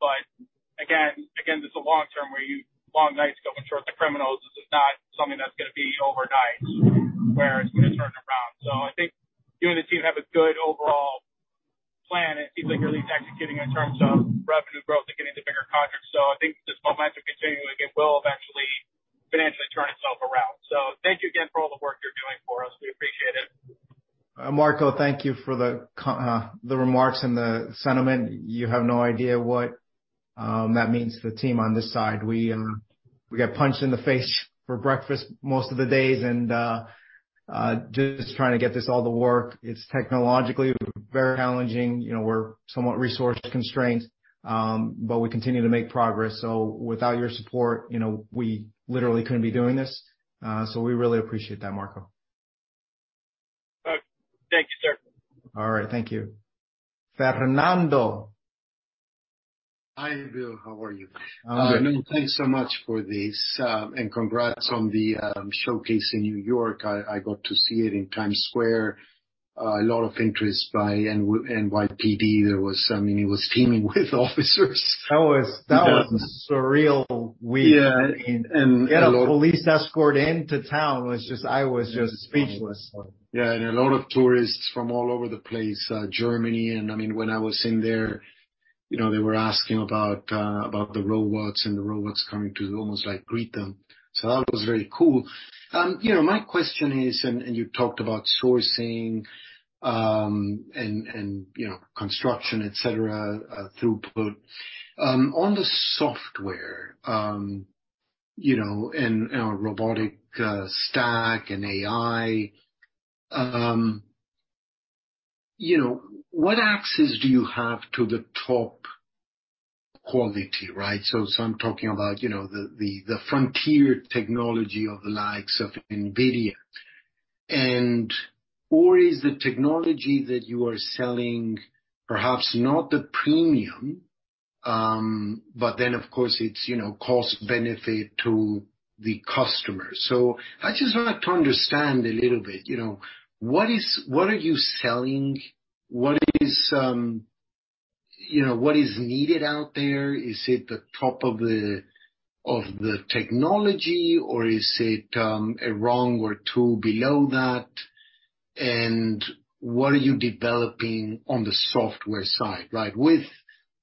Again, this is a long term where you long Knightscope and short the criminals. This is not something that's gonna be overnight where it's gonna turn around. I think you and the team have a good overall plan, it seems like you're really executing in terms of revenue growth and getting the bigger contracts. I think this momentum continuing, like it will eventually financially turn itself around. Thank you again for all the work you're doing for us. We appreciate it. Marco, thank you for the remarks and the sentiment. You have no idea what that means for the team on this side. We get punched in the face for breakfast most of the days, and just trying to get this all to work. It's technologically very challenging. You know, we're somewhat resource constrained, but we continue to make progress. Without your support, you know, we literally couldn't be doing this. We really appreciate that, Marco. Thank you, sir. All right. Thank you. Fernando. Hi, Bill. How are you? No, thanks so much for this. Congrats on the showcase in New York. I got to see it in Times Square. A lot of interest by NYPD. I mean, it was teeming with officers. That was a surreal week. Yeah. To get a police escort into town was just... I was just speechless. Yeah. A lot of tourists from all over the place, Germany. I mean, when I was in there, you know, they were asking about the robots and the robots coming to almost, like, greet them. That was very cool. You know, my question is, and you talked about sourcing, and, you know, construction, et cetera, throughput. On the software, you know, and, you know, robotic stack and AI, you know, what access do you have to the top quality, right? I'm talking about, you know, the frontier technology of the likes of NVIDIA. Is the technology that you are selling perhaps not the premium, but then of course it's, you know, cost benefit to the customer? I just like to understand a little bit, you know, what are you selling? What is, you know, what is needed out there? Is it the top of the technology or is it a rung or 2 below that? What are you developing on the software side, like, with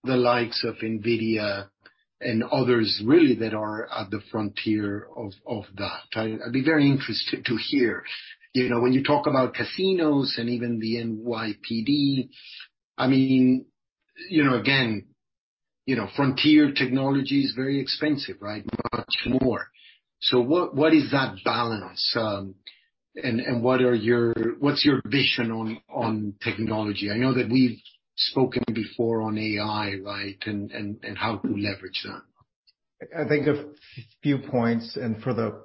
the likes of NVIDIA and others really that are at the frontier of that? I'd be very interested to hear. You know, when you talk about casinos and even the NYPD, I mean, you know, again, you know, frontier technology is very expensive, right? Much more. What is that balance? What's your vision on technology? I know that we've spoken before on AI, right, and how to leverage that. I think a few points and for the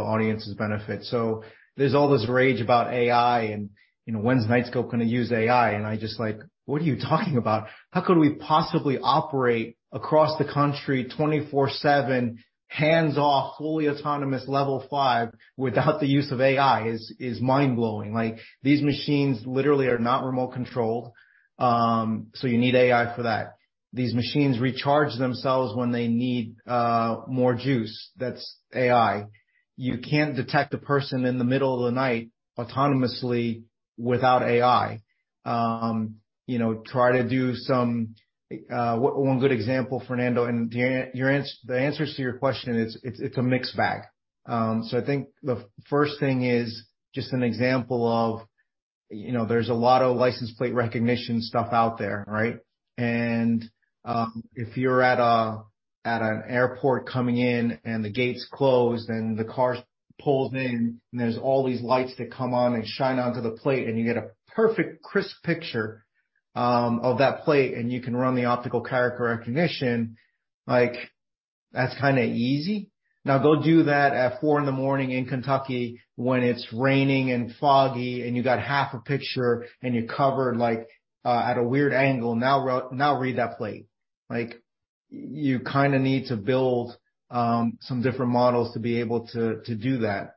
audience's benefit. There's all this rage about AI and, you know, when's Knightscope gonna use AI? I just like, "What are you talking about? How could we possibly operate across the country 24/7, hands-off, fully autonomous level five without the use of AI?" Is mind-blowing. Like, these machines literally are not remote controlled, so you need AI for that. These machines recharge themselves when they need more juice. That's AI. You can't detect a person in the middle of the night autonomously without AI. You know, one good example, Fernando, and the answers to your question is it's a mixed bag. I think the first thing is just an example of, you know, there's a lot of license plate recognition stuff out there, right? If you're at an airport coming in and the gate's closed and the car pulls in and there's all these lights that come on and shine onto the plate, and you get a perfect crisp picture, of that plate, and you can run the optical character recognition, like that's kinda easy. Now, go do that at 4 in the morning in Kentucky when it's raining and foggy and you got half a picture and you're covered, like, at a weird angle. Now read that plate. Like, you kinda need to build some different models to be able to do that.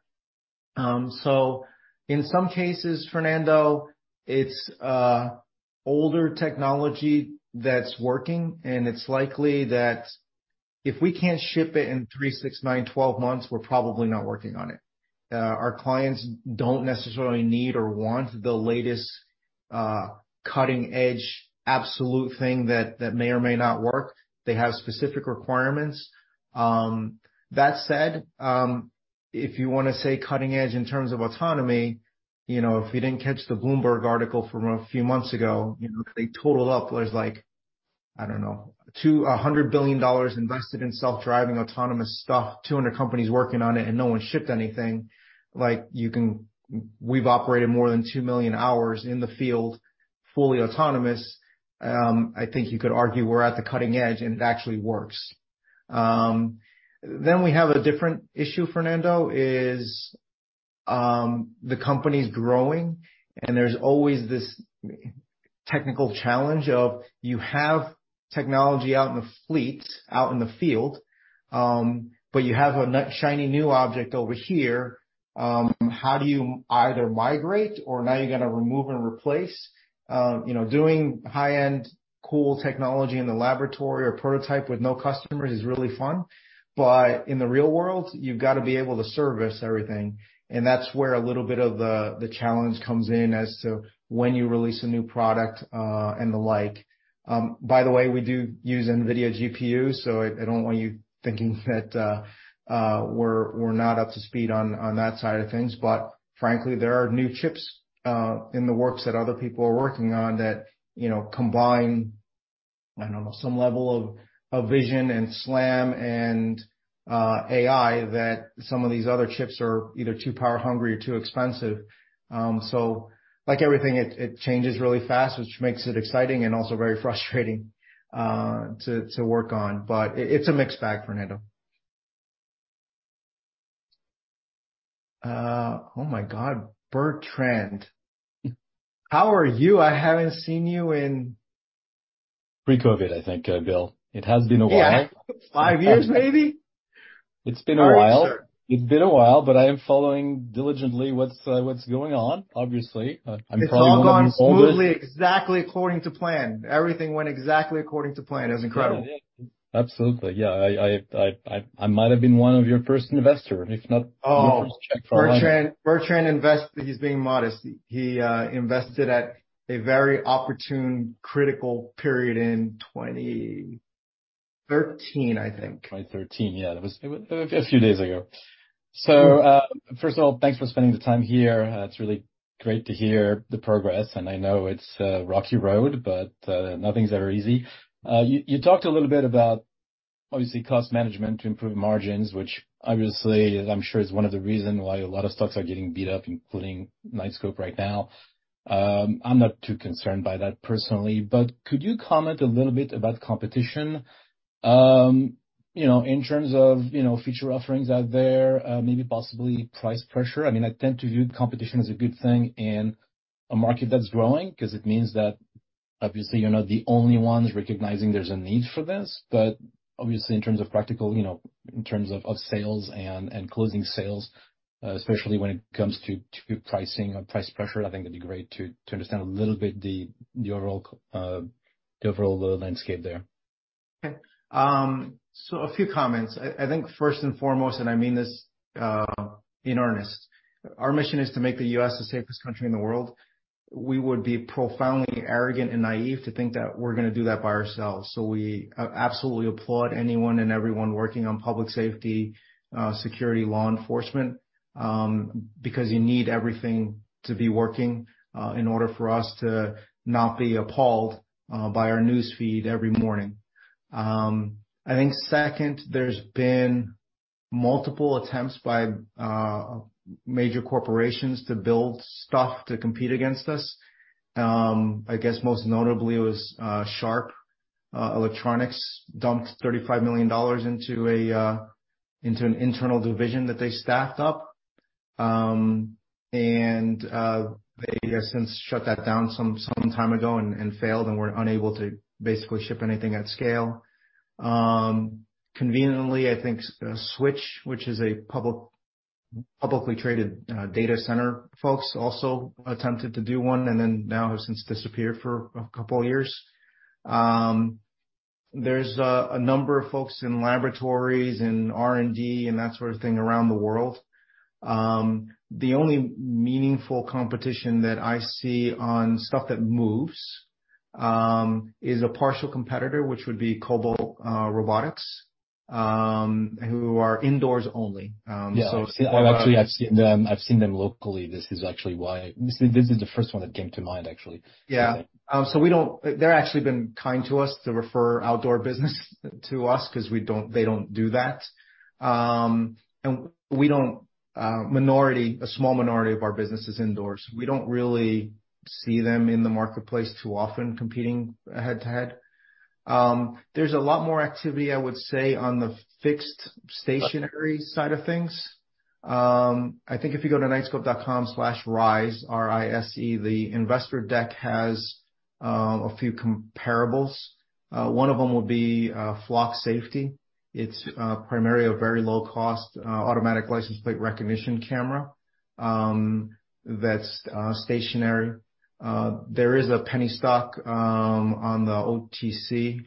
In some cases, Fernando, it's older technology that's working, and it's likely that if we can't ship it in 3, 6, 9, 12 months, we're probably not working on it. Our clients don't necessarily need or want the latest, cutting-edge absolute thing that may or may not work. They have specific requirements. That said, if you wanna say cutting edge in terms of autonomy, you know, if you didn't catch the Bloomberg article from a few months ago, you know, they total up. There's like, I don't know, $100 billion invested in self-driving autonomous stuff, 200 companies working on it. No one's shipped anything. Like, we've operated more than 2 million hours in the field, fully autonomous. I think you could argue we're at the cutting edge. It actually works. We have a different issue, Fernando, is the company's growing. There's always this technical challenge of you have technology out in the fleet, out in the field. You have a shiny new object over here. How do you either migrate or now you're gonna remove and replace? You know, doing high-end technology in the laboratory or prototype with no customer is really fun. In the real world, you've got to be able to service everything. That's where a little bit of the challenge comes in as to when you release a new product and the like. By the way, we do use NVIDIA GPU, so I don't want you thinking that we're not up to speed on that side of things. Frankly, there are new chips in the works that other people are working on that, you know, combine, I don't know, some level of vision and SLAM and AI that some of these other chips are either too power-hungry or too expensive. Like everything, it changes really fast, which makes it exciting and also very frustrating to work on. It's a mixed bag, Fernando. Oh, my God, Bertrand. How are you? I haven't seen you in- Pre-COVID, I think, Bill. It has been a while. Yeah. 5 years, maybe. It's been a while. How are you, sir? It's been a while, but I am following diligently what's going on, obviously. I'm probably one of your oldest... It's all gone smoothly, exactly according to plan. Everything went exactly according to plan. It's incredible. Yeah. Absolutely. Yeah. I might have been one of your first investor. Oh. your first check from- Bertrand invested. He's being modest. He invested at a very opportune, critical period in 2013, I think. 2013. Yeah. That was a few days ago. First of all, thanks for spending the time here. It's really great to hear the progress. I know it's a rocky road, but nothing's ever easy. You talked a little bit about obviously cost management to improve margins, which obviously, I'm sure is one of the reason why a lot of stocks are getting beat up, including Knightscope right now. I'm not too concerned by that personally. Could you comment a little bit about competition, you know, in terms of, you know, future offerings out there, maybe possibly price pressure? I mean, I tend to view competition as a good thing in a market that's growing 'cause it means that obviously you're not the only ones recognizing there's a need for this. Obviously, in terms of practical, you know, in terms of sales and closing sales, especially when it comes to pricing or price pressure, I think it'd be great to understand a little bit the overall landscape there. Okay. A few comments. I think first and foremost, and I mean this in earnest, our mission is to make the U.S. the safest country in the world. We would be profoundly arrogant and naive to think that we're gonna do that by ourselves. We absolutely applaud anyone and everyone working on public safety, security, law enforcement, because you need everything to be working in order for us to not be appalled by our news feed every morning. I think second, there's been multiple attempts by major corporations to build stuff to compete against us. I guess most notably it was Sharp Electronics dumped $35 million into an internal division that they staffed up. They have since shut that down some time ago and failed and were unable to basically ship anything at scale. Conveniently, I think Switch, which is a publicly traded data center, folks also attempted to do one and now have since disappeared for a couple of years. There's a number of folks in laboratories, in R&D and that sort of thing around the world. The only meaningful competition that I see on stuff that moves is a partial competitor, which would be Cobalt Robotics, who are indoors only. Yeah. Actually, I've seen them locally. This is the first one that came to mind, actually. Yeah. They're actually been kind to us to refer outdoor business to us 'cause they don't do that. We don't, a small minority of our business is indoors. We don't really see them in the marketplace too often competing head-to-head. There's a lot more activity, I would say, on the fixed stationary side of things. I think if you go to Knightscope.com/rise, R-I-S-E, the investor deck has a few comparables. One of them would be Flock Safety. It's primarily a very low-cost automatic license plate recognition camera that's stationary. There is a penny stock on the OTC,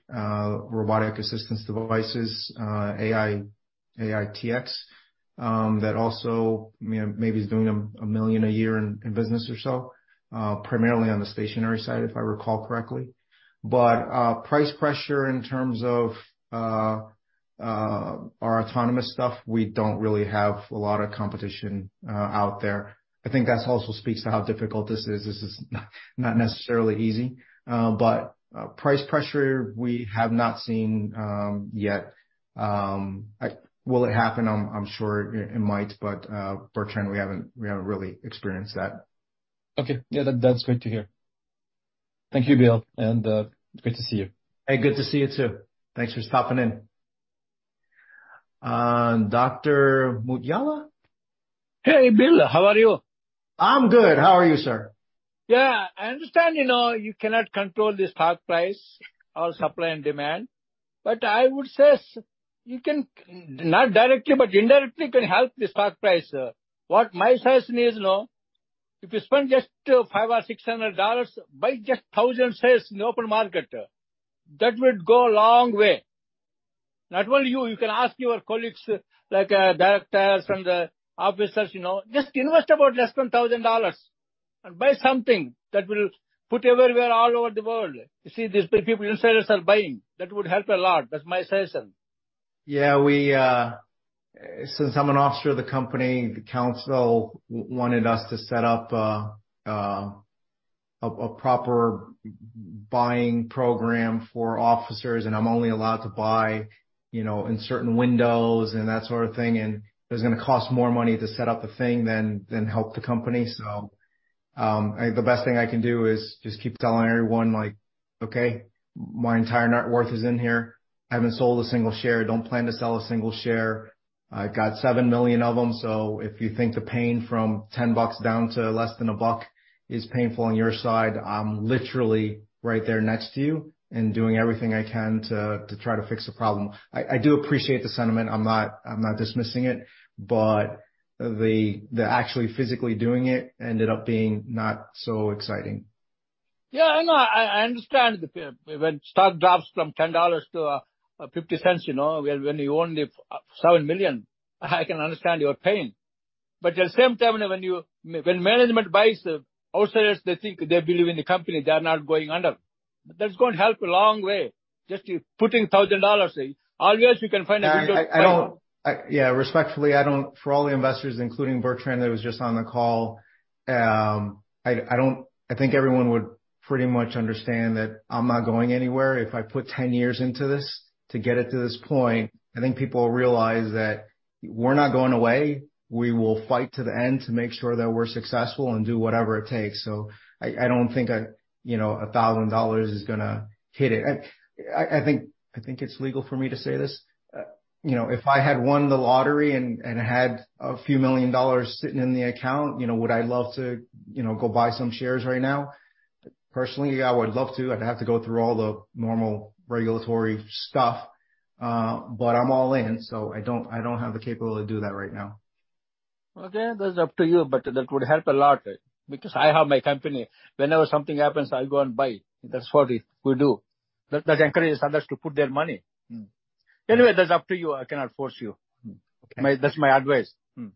Robotic Assistance Devices, AI, AITX, that also, you know, maybe is doing $1 million a year in business or so, primarily on the stationary side, if I recall correctly. Price pressure in terms of our autonomous stuff, we don't really have a lot of competition out there. I think that also speaks to how difficult this is. This is not necessarily easy, but price pressure we have not seen yet. Will it happen? I'm sure it might, but Bertrand, we haven't really experienced that. Okay. Yeah. That's great to hear. Thank you, Bill. Great to see you. Hey, good to see you too. Thanks for stopping in. Manikyam Mutyala? Hey, Bill. How are you? I'm good. How are you, sir? Yeah. I understand, you know, you cannot control the stock price or supply and demand, but I would say you can, not directly, but indirectly, can help the stock price. What my sense is, you know. If you spend just $500 or $600, buy just 1,000 shares in the open market, that would go a long way. Not only you can ask your colleagues like directors and officers, you know, just invest about less than $1,000 and buy something that will put everywhere, all over the world. You see these big people insiders are buying. That would help a lot. That's my suggestion. Yeah. We, since I'm an officer of the company, the council wanted us to set up a proper buying program for officers. I'm only allowed to buy, you know, in certain windows and that sort of thing. It was gonna cost more money to set up the thing than help the company. I think the best thing I can do is just keep telling everyone, like, okay, my entire net worth is in here. I haven't sold a single share. Don't plan to sell a single share. I got $7 million of them. If you think the pain from $10 down to less than $1 is painful on your side, I'm literally right there next to you and doing everything I can to try to fix the problem. I do appreciate the sentiment. I'm not dismissing it, the actually physically doing it ended up being not so exciting. I know. I understand. When stock drops from $10 to $0.50, you know, when you own the $7 million, I can understand your pain. At the same time, when management buys outsiders, they think they believe in the company, they are not going under. That's going to help a long way, just you putting $1,000. Always you can find a window. Yeah, respectfully, for all the investors, including Bertrand, that was just on the call, I think everyone would pretty much understand that I'm not going anywhere. If I put 10 years into this to get it to this point, I think people realize that we're not going away. We will fight to the end to make sure that we're successful and do whatever it takes. I don't think a, you know, $1,000 is gonna hit it. I think it's legal for me to say this. You know, if I had won the lottery and had a few million dollars sitting in the account, you know, would I love to, you know, go buy some shares right now? Personally, I would love to. I'd have to go through all the normal regulatory stuff, but I'm all in, so I don't have the capability to do that right now. Okay. That's up to you. That would help a lot because I have my company. Whenever something happens, I'll go and buy. That's what we do. That encourages others to put their money. Anyway, that's up to you. I cannot force you. Okay. That's my advice. Mm-hmm.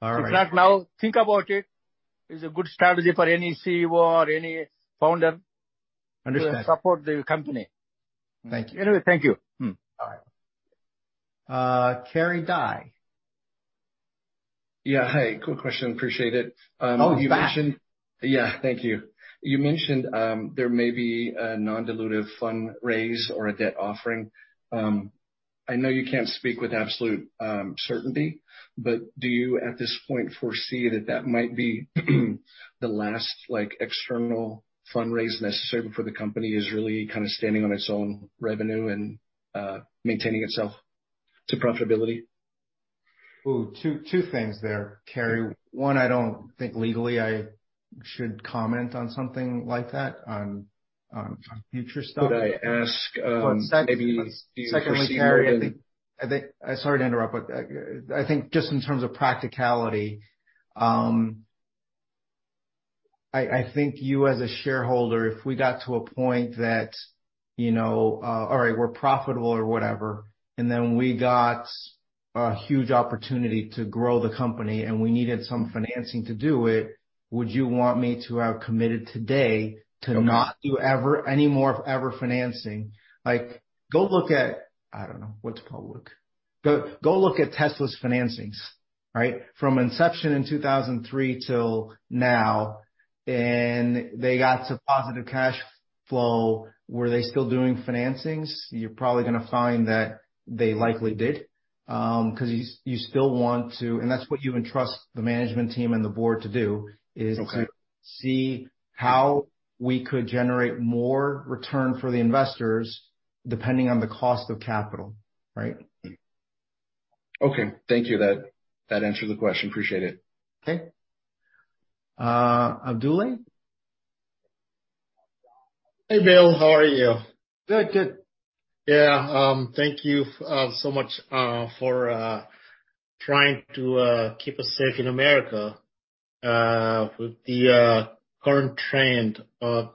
All right. If not now, think about it. It's a good strategy for any CEO or any founder- Understand. to support the company. Thank you. Thank you. Mm-hmm. All right. Kerry Dyne. Yeah, hey, quick question. Appreciate it. Oh, he's back. Yeah. Thank you. You mentioned, there may be a non-dilutive fund raise or a debt offering. I know you can't speak with absolute certainty, but do you, at this point, foresee that that might be the last, like, external fundraise necessary before the company is really kind of standing on its own revenue and, maintaining itself to profitability? Ooh, two things there, Kerry. One, I don't think legally I should comment on something like that, on future stuff. Could I ask, maybe- Second thing, Kerry, I think. Sorry to interrupt, but, I think just in terms of practicality, I think you as a shareholder, if we got to a point that, you know, all right, we're profitable or whatever, and then we got a huge opportunity to grow the company, and we needed some financing to do it, would you want me to have committed today to not do any more of ever financing? Like, go look at I don't know what to call it. Go look at Tesla's financings, right? From inception in 2003 till now, and they got to positive cash flow. Were they still doing financings? You're probably gonna find that they likely did, 'cause you still want to. And that's what you entrust the management team and the board to do. Okay. is to see how we could generate more return for the investors depending on the cost of capital, right? Okay. Thank you. That answered the question. Appreciate it. Okay. Abdoulaye? Hey, Bill. How are you? Good. Good. Yeah. Thank you so much for trying to keep us safe in America. With the current trend of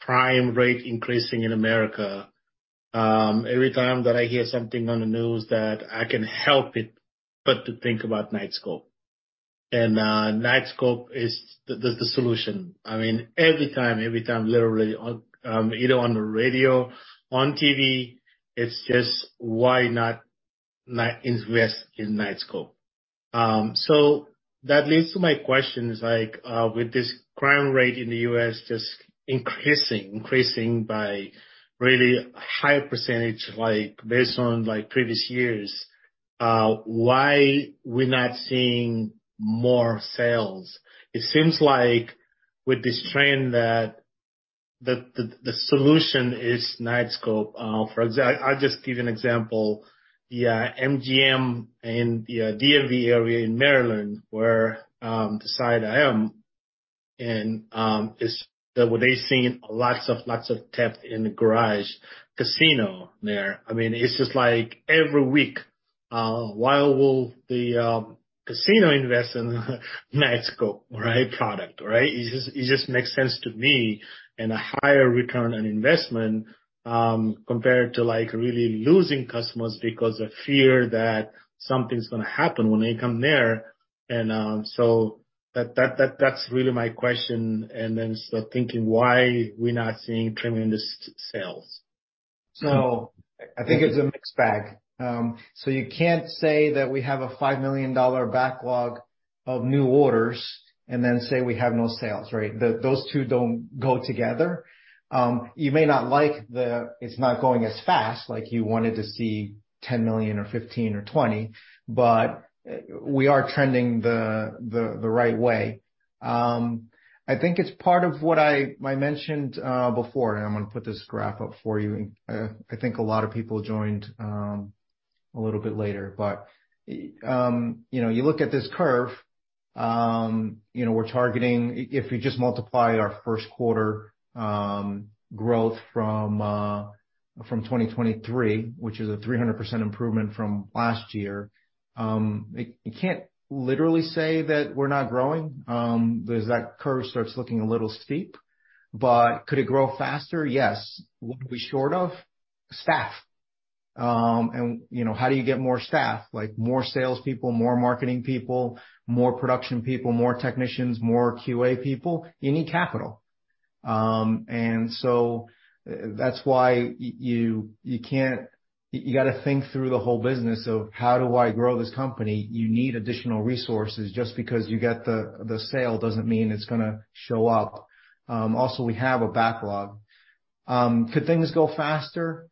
crime rate increasing in America, every time that I hear something on the news that I can help it, but to think about Knightscope. Knightscope is the solution. I mean, every time, literally on either on the radio, on TV, it's just why not invest in Knightscope? That leads to my questions, like, with this crime rate in the U.S. just increasing by really high %, based on previous years, why we're not seeing more sales? It seems like with this trend that the solution is Knightscope. I'll just give you an example. The MGM in the DMV area in Maryland, where the side I am. Were they seeing lots of theft in the garage casino there? I mean, it's just like every week, why will the casino invest in Knightscope, right? Product, right? It just makes sense to me and a higher return on investment, compared to like really losing customers because of fear that something's gonna happen when they come there. That's really my question. Start thinking why we're not seeing premium sales. I think it's a mixed bag. You can't say that we have a $5 million backlog of new orders and then say we have no sales, right? Those two don't go together. You may not like the it's not going as fast, like you wanted to see $10 million or 15 or 20, but we are trending the right way. I think it's part of what I mentioned before, and I'm gonna put this graph up for you. I think a lot of people joined a little bit later. You know, you look at this curve, you know, If you just multiply our first quarter growth from 2023, which is a 300% improvement from last year, you can't literally say that we're not growing, because that curve starts looking a little steep. Could it grow faster? Yes. What are we short of? Staff. You know, how do you get more staff? Like more salespeople, more marketing people, more production people, more technicians, more QA people. You need capital. That's why you gotta think through the whole business of how do I grow this company? You need additional resources. Just because you get the sale doesn't mean it's gonna show up. Also we have a backlog. Could things go faster?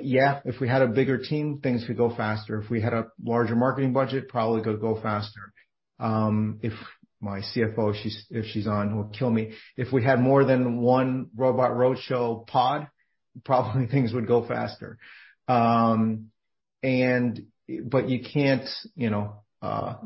Yeah. If we had a bigger team, things could go faster. If we had a larger marketing budget, probably could go faster. If my CFO, if she's on, will kill me. If we had more than one Robot Roadshow pod, probably things would go faster. But you can't, you know,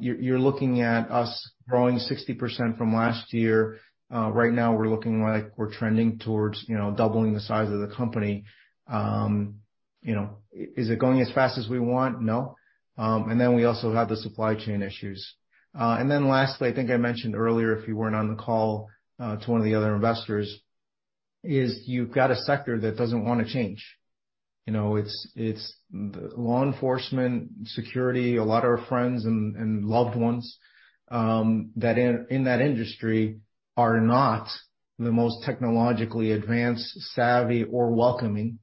you're looking at us growing 60% from last year. Right now we're looking like we're trending towards, you know, doubling the size of the company. You know, is it going as fast as we want? No. We also have the supply chain issues. Lastly, I think I mentioned earlier, if you weren't on the call, to one of the other investors, is you've got a sector that doesn't wanna change. You know, it's law enforcement, security, a lot of our friends and loved ones, that in that industry are not the most technologically advanced, savvy or welcoming,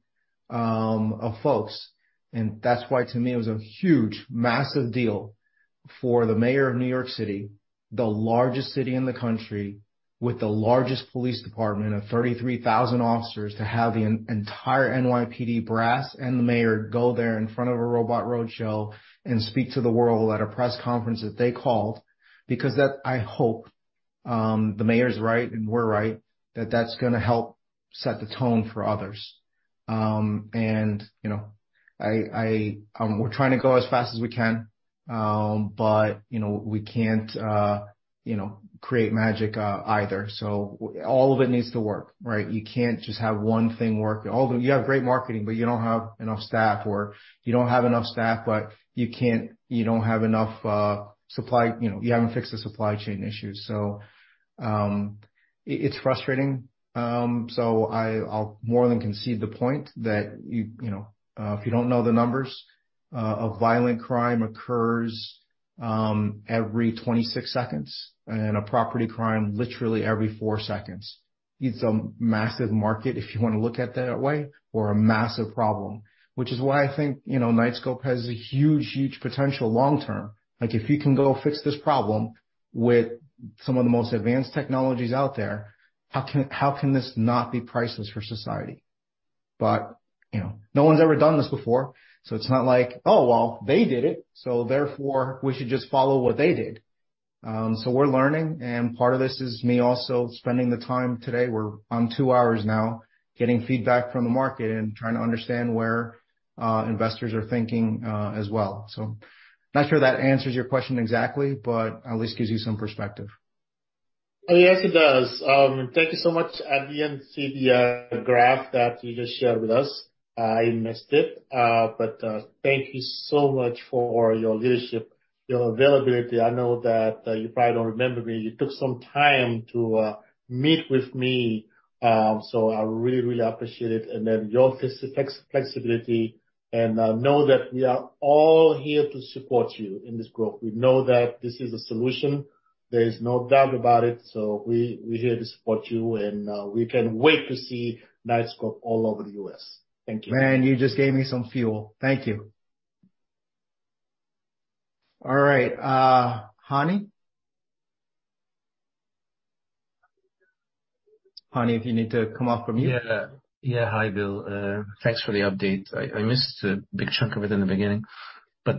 of folks. That's why to me, it was a huge, massive deal for the mayor of New York City, the largest city in the country, with the largest police department of 33,000 officers, to have the entire NYPD brass and the mayor go there in front of a Robot Roadshow and speak to the world at a press conference that they called because that, I hope, the mayor's right, and we're right that that's gonna help set the tone for others. You know, I, we're trying to go as fast as we can, but, you know, we can't, you know, create magic, either. All of it needs to work, right? You can't just have one thing work. You have great marketing, but you don't have enough staff or you don't have enough supply, you know, you haven't fixed the supply chain issues. It's frustrating. I'll more than concede the point that you know, if you don't know the numbers, a violent crime occurs every 26 seconds and a property crime literally every 4 seconds. It's a massive market if you wanna look at it that way or a massive problem. I think, you know, Knightscope has a huge potential long term. If you can go fix this problem with some of the most advanced technologies out there, how can this not be priceless for society? You know, no one's ever done this before, so it's not like, "Oh, well, they did it, so therefore we should just follow what they did." We're learning and part of this is me also spending the time today, we're on 2 hours now, getting feedback from the market and trying to understand where investors are thinking as well. Not sure that answers your question exactly, but at least gives you some perspective. Yes, it does. Thank you so much. At the end, see the graph that you just shared with us. I missed it. Thank you so much for your leadership, your availability. I know that you probably don't remember me. You took some time to meet with me, so I really appreciate it. Your flexibility and, know that we are all here to support you in this growth. We know that this is a solution, there is no doubt about it. We, we're here to support you and, we can't wait to see Knightscope all over the US. Thank you. Man, you just gave me some fuel. Thank you. All right. Hani? Hani, if you need to come off mute. Yeah. Hi, Bill. Thanks for the update. I missed a big chunk of it in the beginning. You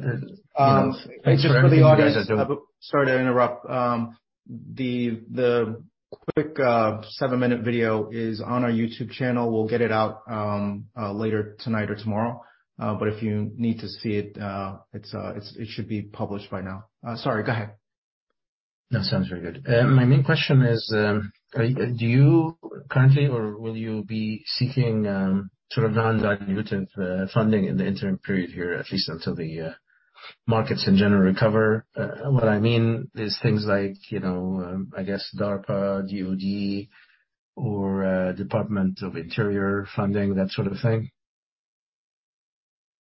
know, thanks for everything you guys are doing. Just for the audience. Sorry to interrupt. The quick, 7-minute video is on our YouTube channel. We'll get it out later tonight or tomorrow. If you need to see it should be published by now. Sorry. Go ahead. That sounds very good. My main question is, do you currently or will you be seeking sort of non-dilutive funding in the interim period here, at least until the markets in general recover? What I mean is things like, you know, I guess DARPA, DOD or Department of Interior funding, that sort of thing.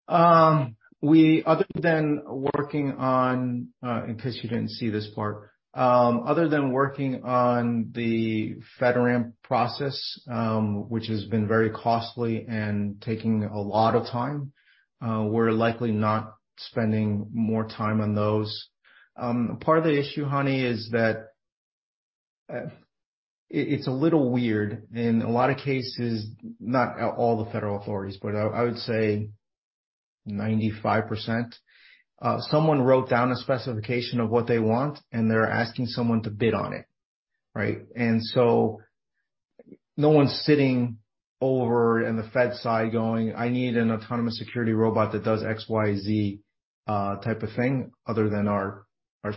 Other than working on, in case you didn't see this part. Other than working on the FedRAMP process, which has been very costly and taking a lot of time, we're likely not spending more time on those. Part of the issue, Hani, is that it's a little weird. In a lot of cases, not all the federal authorities, but I would say 95%, someone wrote down a specification of what they want, and they're asking someone to bid on it, right? No one's sitting over in the Fed side going, "I need an autonomous security robot that does XYZ," type of thing, other than our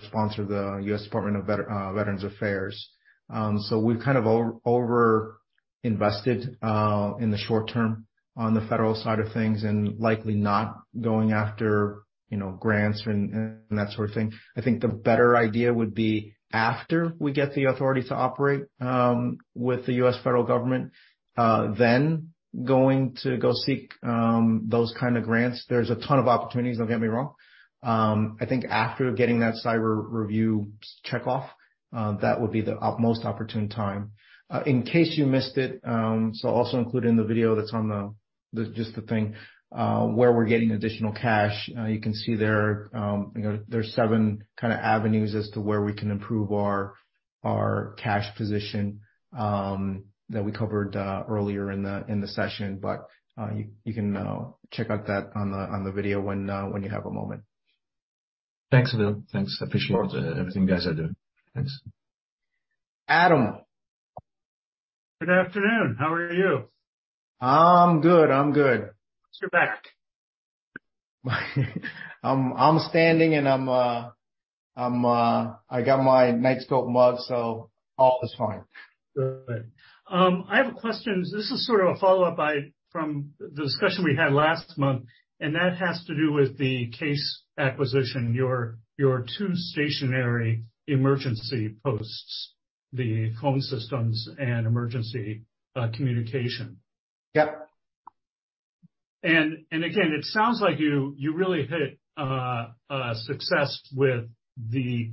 sponsor, the U.S. Department of Veterans Affairs. We've kind of over-invested in the short term on the federal side of things and likely not going after, you know, grants and that sort of thing. I think the better idea would be after we get the Authority to Operate with the U.S. federal government, then going to go seek those kind of grants. There's a ton of opportunities. Don't get me wrong. I think after getting that cyber review check off, that would be the most opportune time. In case you missed it, also included in the video that's on just the thing, where we're getting additional cash, you can see there, you know, there's 7 kind of avenues as to where we can improve our cash position that we covered earlier in the session. You can, check out that on the video when you have a moment. Thanks, Bill. Thanks. Of course. I appreciate everything you guys are doing. Thanks. Adam. Good afternoon. How are you? I'm good. I'm good. Watch your back. I'm standing, and I'm, I got my Knightscope mug, so all is fine. Good. I have a question. This is sort of a follow-up from the discussion we had last month, that has to do with the CASE acquisition, your two stationary emergency posts, the phone systems and emergency communication. Yep. Again, it sounds like you really hit success with the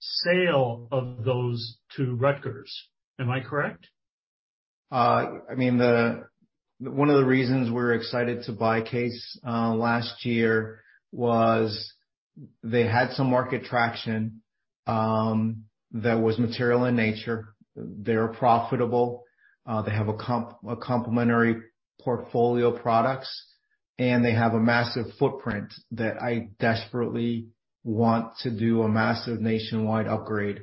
sale of those to Rutgers. Am I correct? One of the reasons we're excited to buy CASE last year was they had some market traction that was material in nature. They're profitable. They have a complementary portfolio of products, and they have a massive footprint that I desperately want to do a massive nationwide upgrade.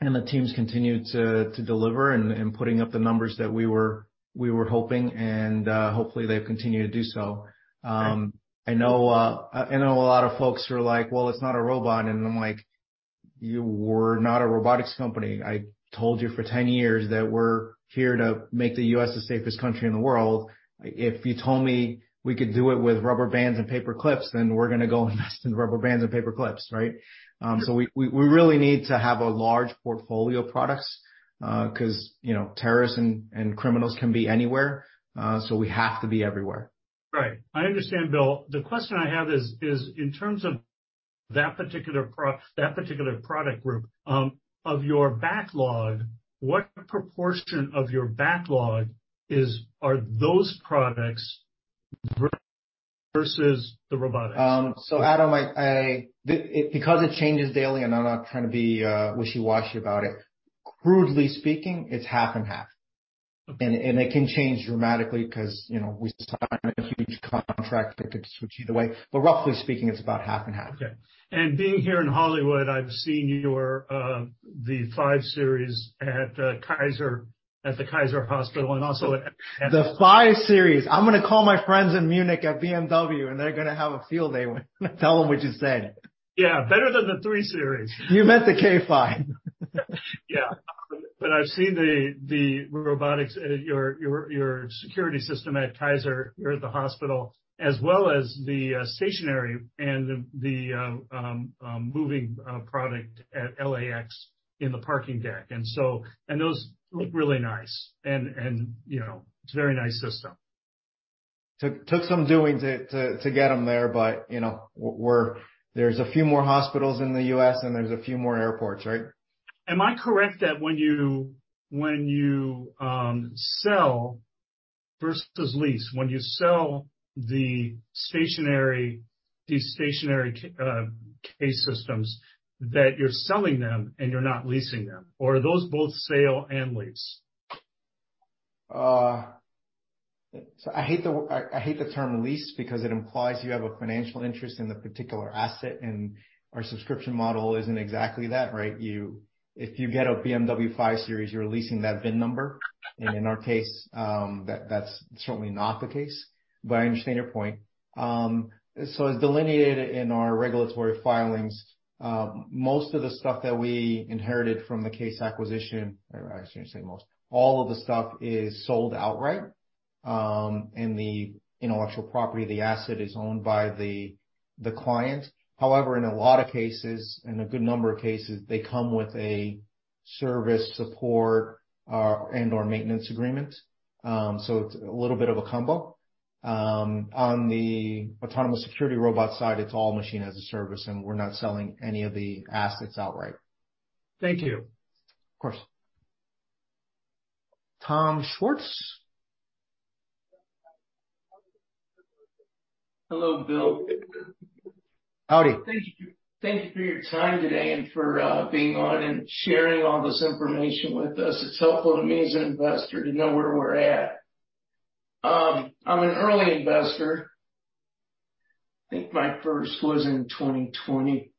The teams continue to deliver and putting up the numbers that we were hoping, hopefully they continue to do so. I know a lot folks are like, "Well, it's not a robot." I'm like, "We're not a robotics company." I told you for 10 years that we're here to make the U.S. the safest country in the world. If you told me we could do it with rubber bands and paperclips, we're gonna go invest in rubber bands and paperclips, right? We really need to have a large portfolio of products, 'cause, you know, terrorists and criminals can be anywhere. We have to be everywhere. Right. I understand, Bill. The question I have is in terms of that particular product group of your backlog, what proportion of your backlog are those products versus the robotics? Adam, because it changes daily, and I'm not trying to be wishy-washy about it, crudely speaking, it's half and half. Okay. It can change dramatically 'cause, you know, we sign a huge contract that could switch either way. Roughly speaking, it's about half and half. Okay. Being here in Hollywood, I've seen your K5 at the Kaiser Permanente hospital and also at- The 5 Series. I'm gonna call my friends in Munich at BMW, and they're gonna have a field day when I tell them what you said. Yeah, better than the 3 Series. You meant the K5. Yeah. I've seen the robotics at your security system at Kaiser here at the hospital, as well as the stationary and the moving product at LAX in the parking deck. Those look really nice and, you know, it's a very nice system. Took some doing to get them there. You know, there's a few more hospitals in the U.S., and there's a few more airports, right? Am I correct that when you sell versus lease, when you sell the stationary CASE systems that you're selling them and you're not leasing them, or are those both sale and lease? I hate the, I hate the term lease because it implies you have a financial interest in the particular asset, and our subscription model isn't exactly that, right? If you get a BMW 5 Series, you're leasing that VIN number. In our case, that's certainly not the case. I understand your point. As delineated in our regulatory filings, most of the stuff that we inherited from the CASE acquisition, I shouldn't say most. All of the stuff is sold outright, and the intellectual property, the asset is owned by the client. However, in a lot of cases, in a good number of cases, they come with a service support or, and/or maintenance agreement. It's a little bit of a combo. On the Autonomous Security Robot side, it's all Machine-as-a-Service, and we're not selling any of the assets outright. Thank you. Of course. Tom Schwartz. Hello, Bill. Howdy. Thank you. Thank you for your time today and for being on and sharing all this information with us. It's helpful to me as an investor to know where we're at. I'm an early investor. I think my first was in 2020,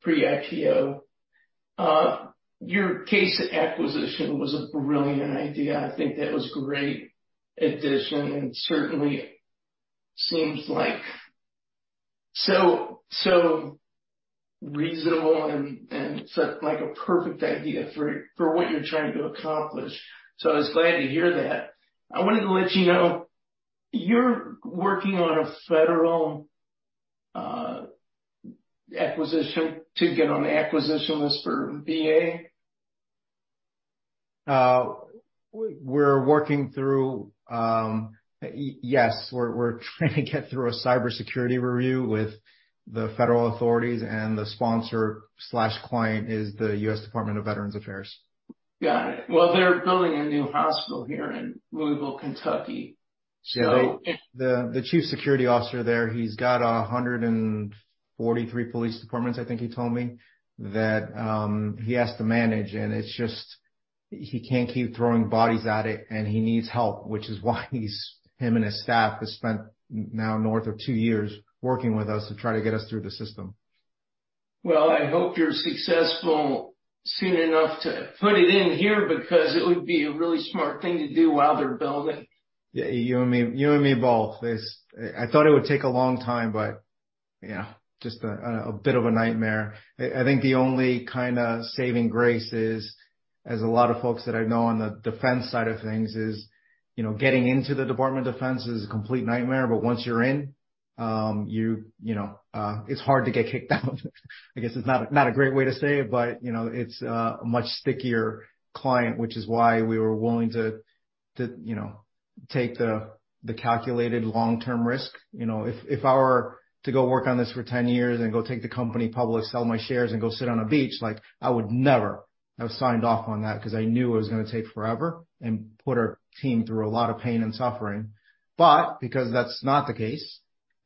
pre-ATO. Your CASE acquisition was a brilliant idea. I think that was great addition, and certainly seems like so reasonable and such like a perfect idea for what you're trying to accomplish. I was glad to hear that. I wanted to let you know you're working on a federal acquisition to get on the acquisition list for VA. We're working through. Yes, we're trying to get through a cybersecurity review with the federal authorities and the sponsor/client is the U.S. Department of Veterans Affairs. Got it. Well, they're building a new hospital here in Louisville, Kentucky. Yeah. The chief security officer there, he's got 143 police departments, I think he told me, that he has to manage, and it's just he can't keep throwing bodies at it, and he needs help, which is why him and his staff has spent north of 2 years working with us to try to get us through the system. Well, I hope you're successful soon enough to put it in here because it would be a really smart thing to do while they're building. Yeah, you and me, you and me both. I thought it would take a long time, but yeah, just a bit of a nightmare. I think the only kinda saving grace is, as a lot of folks that I know on the defense side of things is, you know, getting into the Department of Defense is a complete nightmare. Once you're in, you know, it's hard to get kicked out. I guess it's not a great way to say it, but, you know, it's a much stickier client, which is why we were willing to, you know, take the calculated long-term risk. You know, if I were to go work on this for 10 years and go take the company public, sell my shares, and go sit on a beach, like, I would never have signed off on that because I knew it was gonna take forever and put our team through a lot of pain and suffering. Because that's not the case,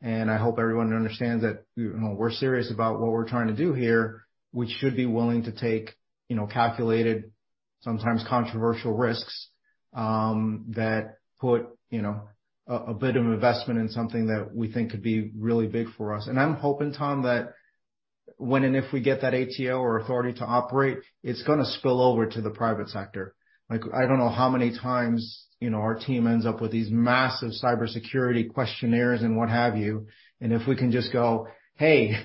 and I hope everyone understands that, you know, we're serious about what we're trying to do here, we should be willing to take, you know, calculated, sometimes controversial risks that put, you know, a bit of investment in something that we think could be really big for us. I'm hoping, Tom, that when and if we get that ATO or Authority to Operate, it's gonna spill over to the private sector. Like, I don't know how many times, you know, our team ends up with these massive cybersecurity questionnaires and what have you. If we can just go, "Hey,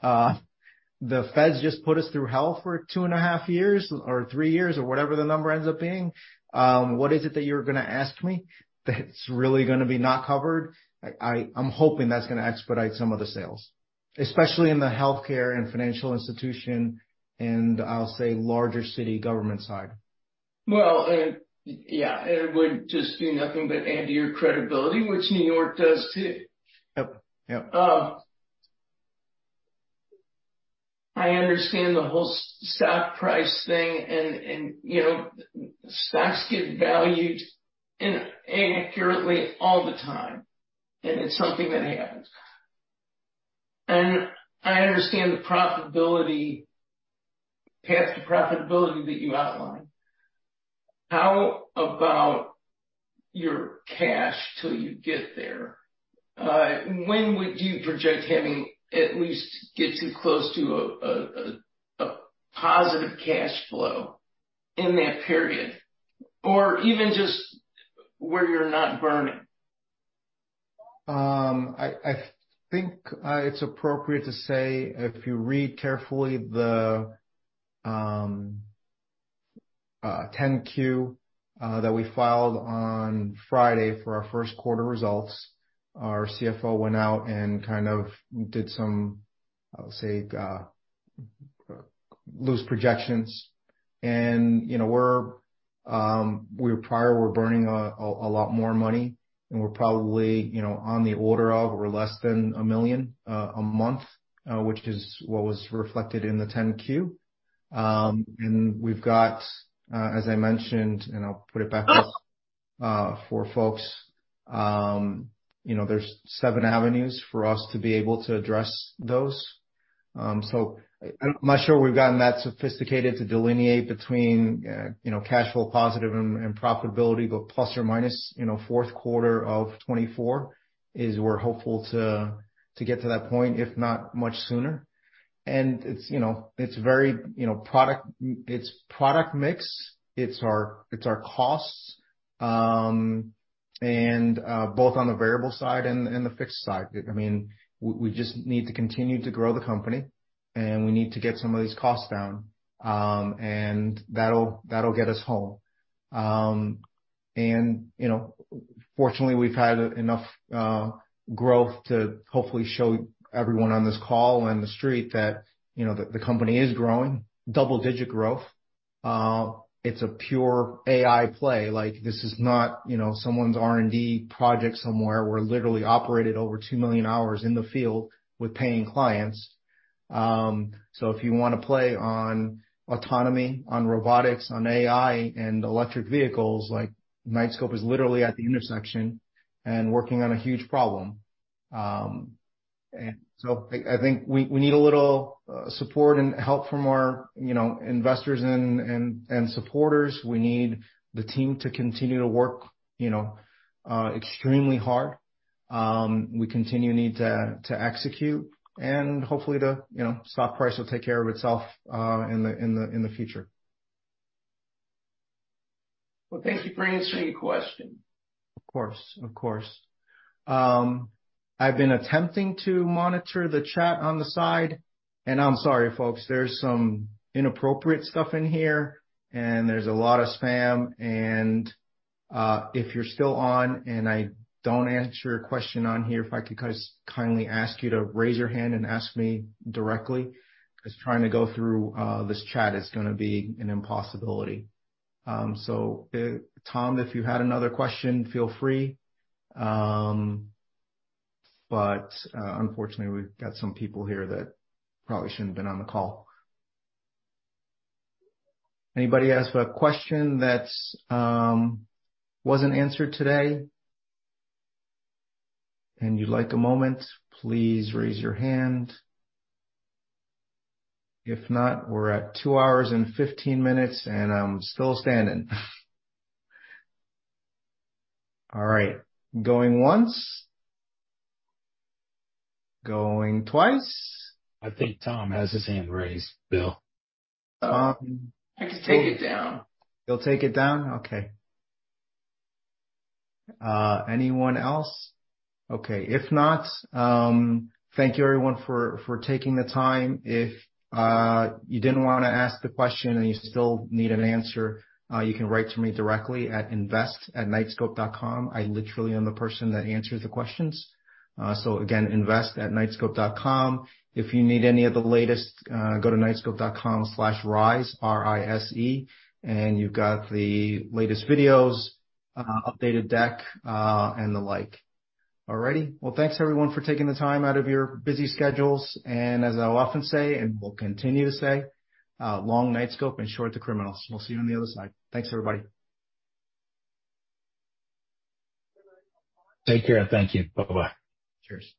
the feds just put us through hell for 2.5 years or 3 years or whatever the number ends up being. What is it that you're gonna ask me that's really gonna be not covered?" I'm hoping that's gonna expedite some of the sales, especially in the healthcare and financial institution and I'll say larger city government side. Well, yeah, it would just do nothing but add to your credibility, which New York does too. Yep. Yep. I understand the whole stock price thing and, you know, stocks get valued inaccurately all the time. It's something that happens. I understand the profitability path to profitability that you outlined. How about your cash till you get there? When would you project having at least getting close to a positive cash flow in that period? Even just where you're not burning? I think it's appropriate to say, if you read carefully the 10-Q that we filed on Friday for our first quarter results, our CFO went out and kind of did some, I would say, loose projections. You know, we were prior, we're burning a lot more money, and we're probably, you know, on the order of or less than $1 million a month, which is what was reflected in the 10-Q. We've got, as I mentioned, and I'll put it back up for folks, you know, there's 7 avenues for us to be able to address those. I'm not sure we've gotten that sophisticated to delineate between, you know, cash flow positive and profitability, but plus or minus, you know, fourth quarter of 2024 is we're hopeful to get to that point, if not much sooner. It's, you know, it's very, you know, product mix. It's our costs, both on the variable side and the fixed side. I mean, we just need to continue to grow the company, and we need to get some of these costs down. That'll get us home. You know, fortunately, we've had enough growth to hopefully show everyone on this call and the street that, you know, the company is growing, double-digit growth. It's a pure AI play. Like, this is not, you know, someone's R&D project somewhere. We're literally operated over 2 million hours in the field with paying clients. If you wanna play on autonomy, on robotics, on AI and electric vehicles, like, Knightscope is literally at the intersection and working on a huge problem. I think we need a little support and help from our, you know, investors and supporters. We need the team to continue to work, you know, extremely hard. We continue to need to execute and hopefully the, you know, stock price will take care of itself in the future. Well, thank you for answering the question. Of course, of course. I've been attempting to monitor the chat on the side. I'm sorry, folks, there's some inappropriate stuff in here. There's a lot of spam and, if you're still on and I don't answer your question on here, if I could just kindly ask you to raise your hand and ask me directly, 'cause trying to go through this chat is gonna be an impossibility. Tom, if you had another question, feel free. Unfortunately, we've got some people here that probably shouldn't have been on the call. Anybody ask a question that's, wasn't answered today and you'd like a moment, please raise your hand. If not, we're at two hours and 15 minutes, and I'm still standing. All right, going once, going twice. I think Tom has his hand raised, Bill. I can take it down. He'll take it down? Okay. Anyone else? Okay. If not, thank you everyone for taking the time. If you didn't wanna ask the question and you still need an answer, you can write to me directly at invest@knightscope.com. I literally am the person that answers the questions. Again, invest@knightscope.com. If you need any of the latest, go to knightscope.com/rise, R-I-S-E, and you've got the latest videos, updated deck, and the like. All righty. Well, thanks everyone for taking the time out of your busy schedules. As I often say, and will continue to say, long Knightscope and short the criminals. We'll see you on the other side. Thanks, everybody. Take care, and thank you. Bye-bye. Cheers.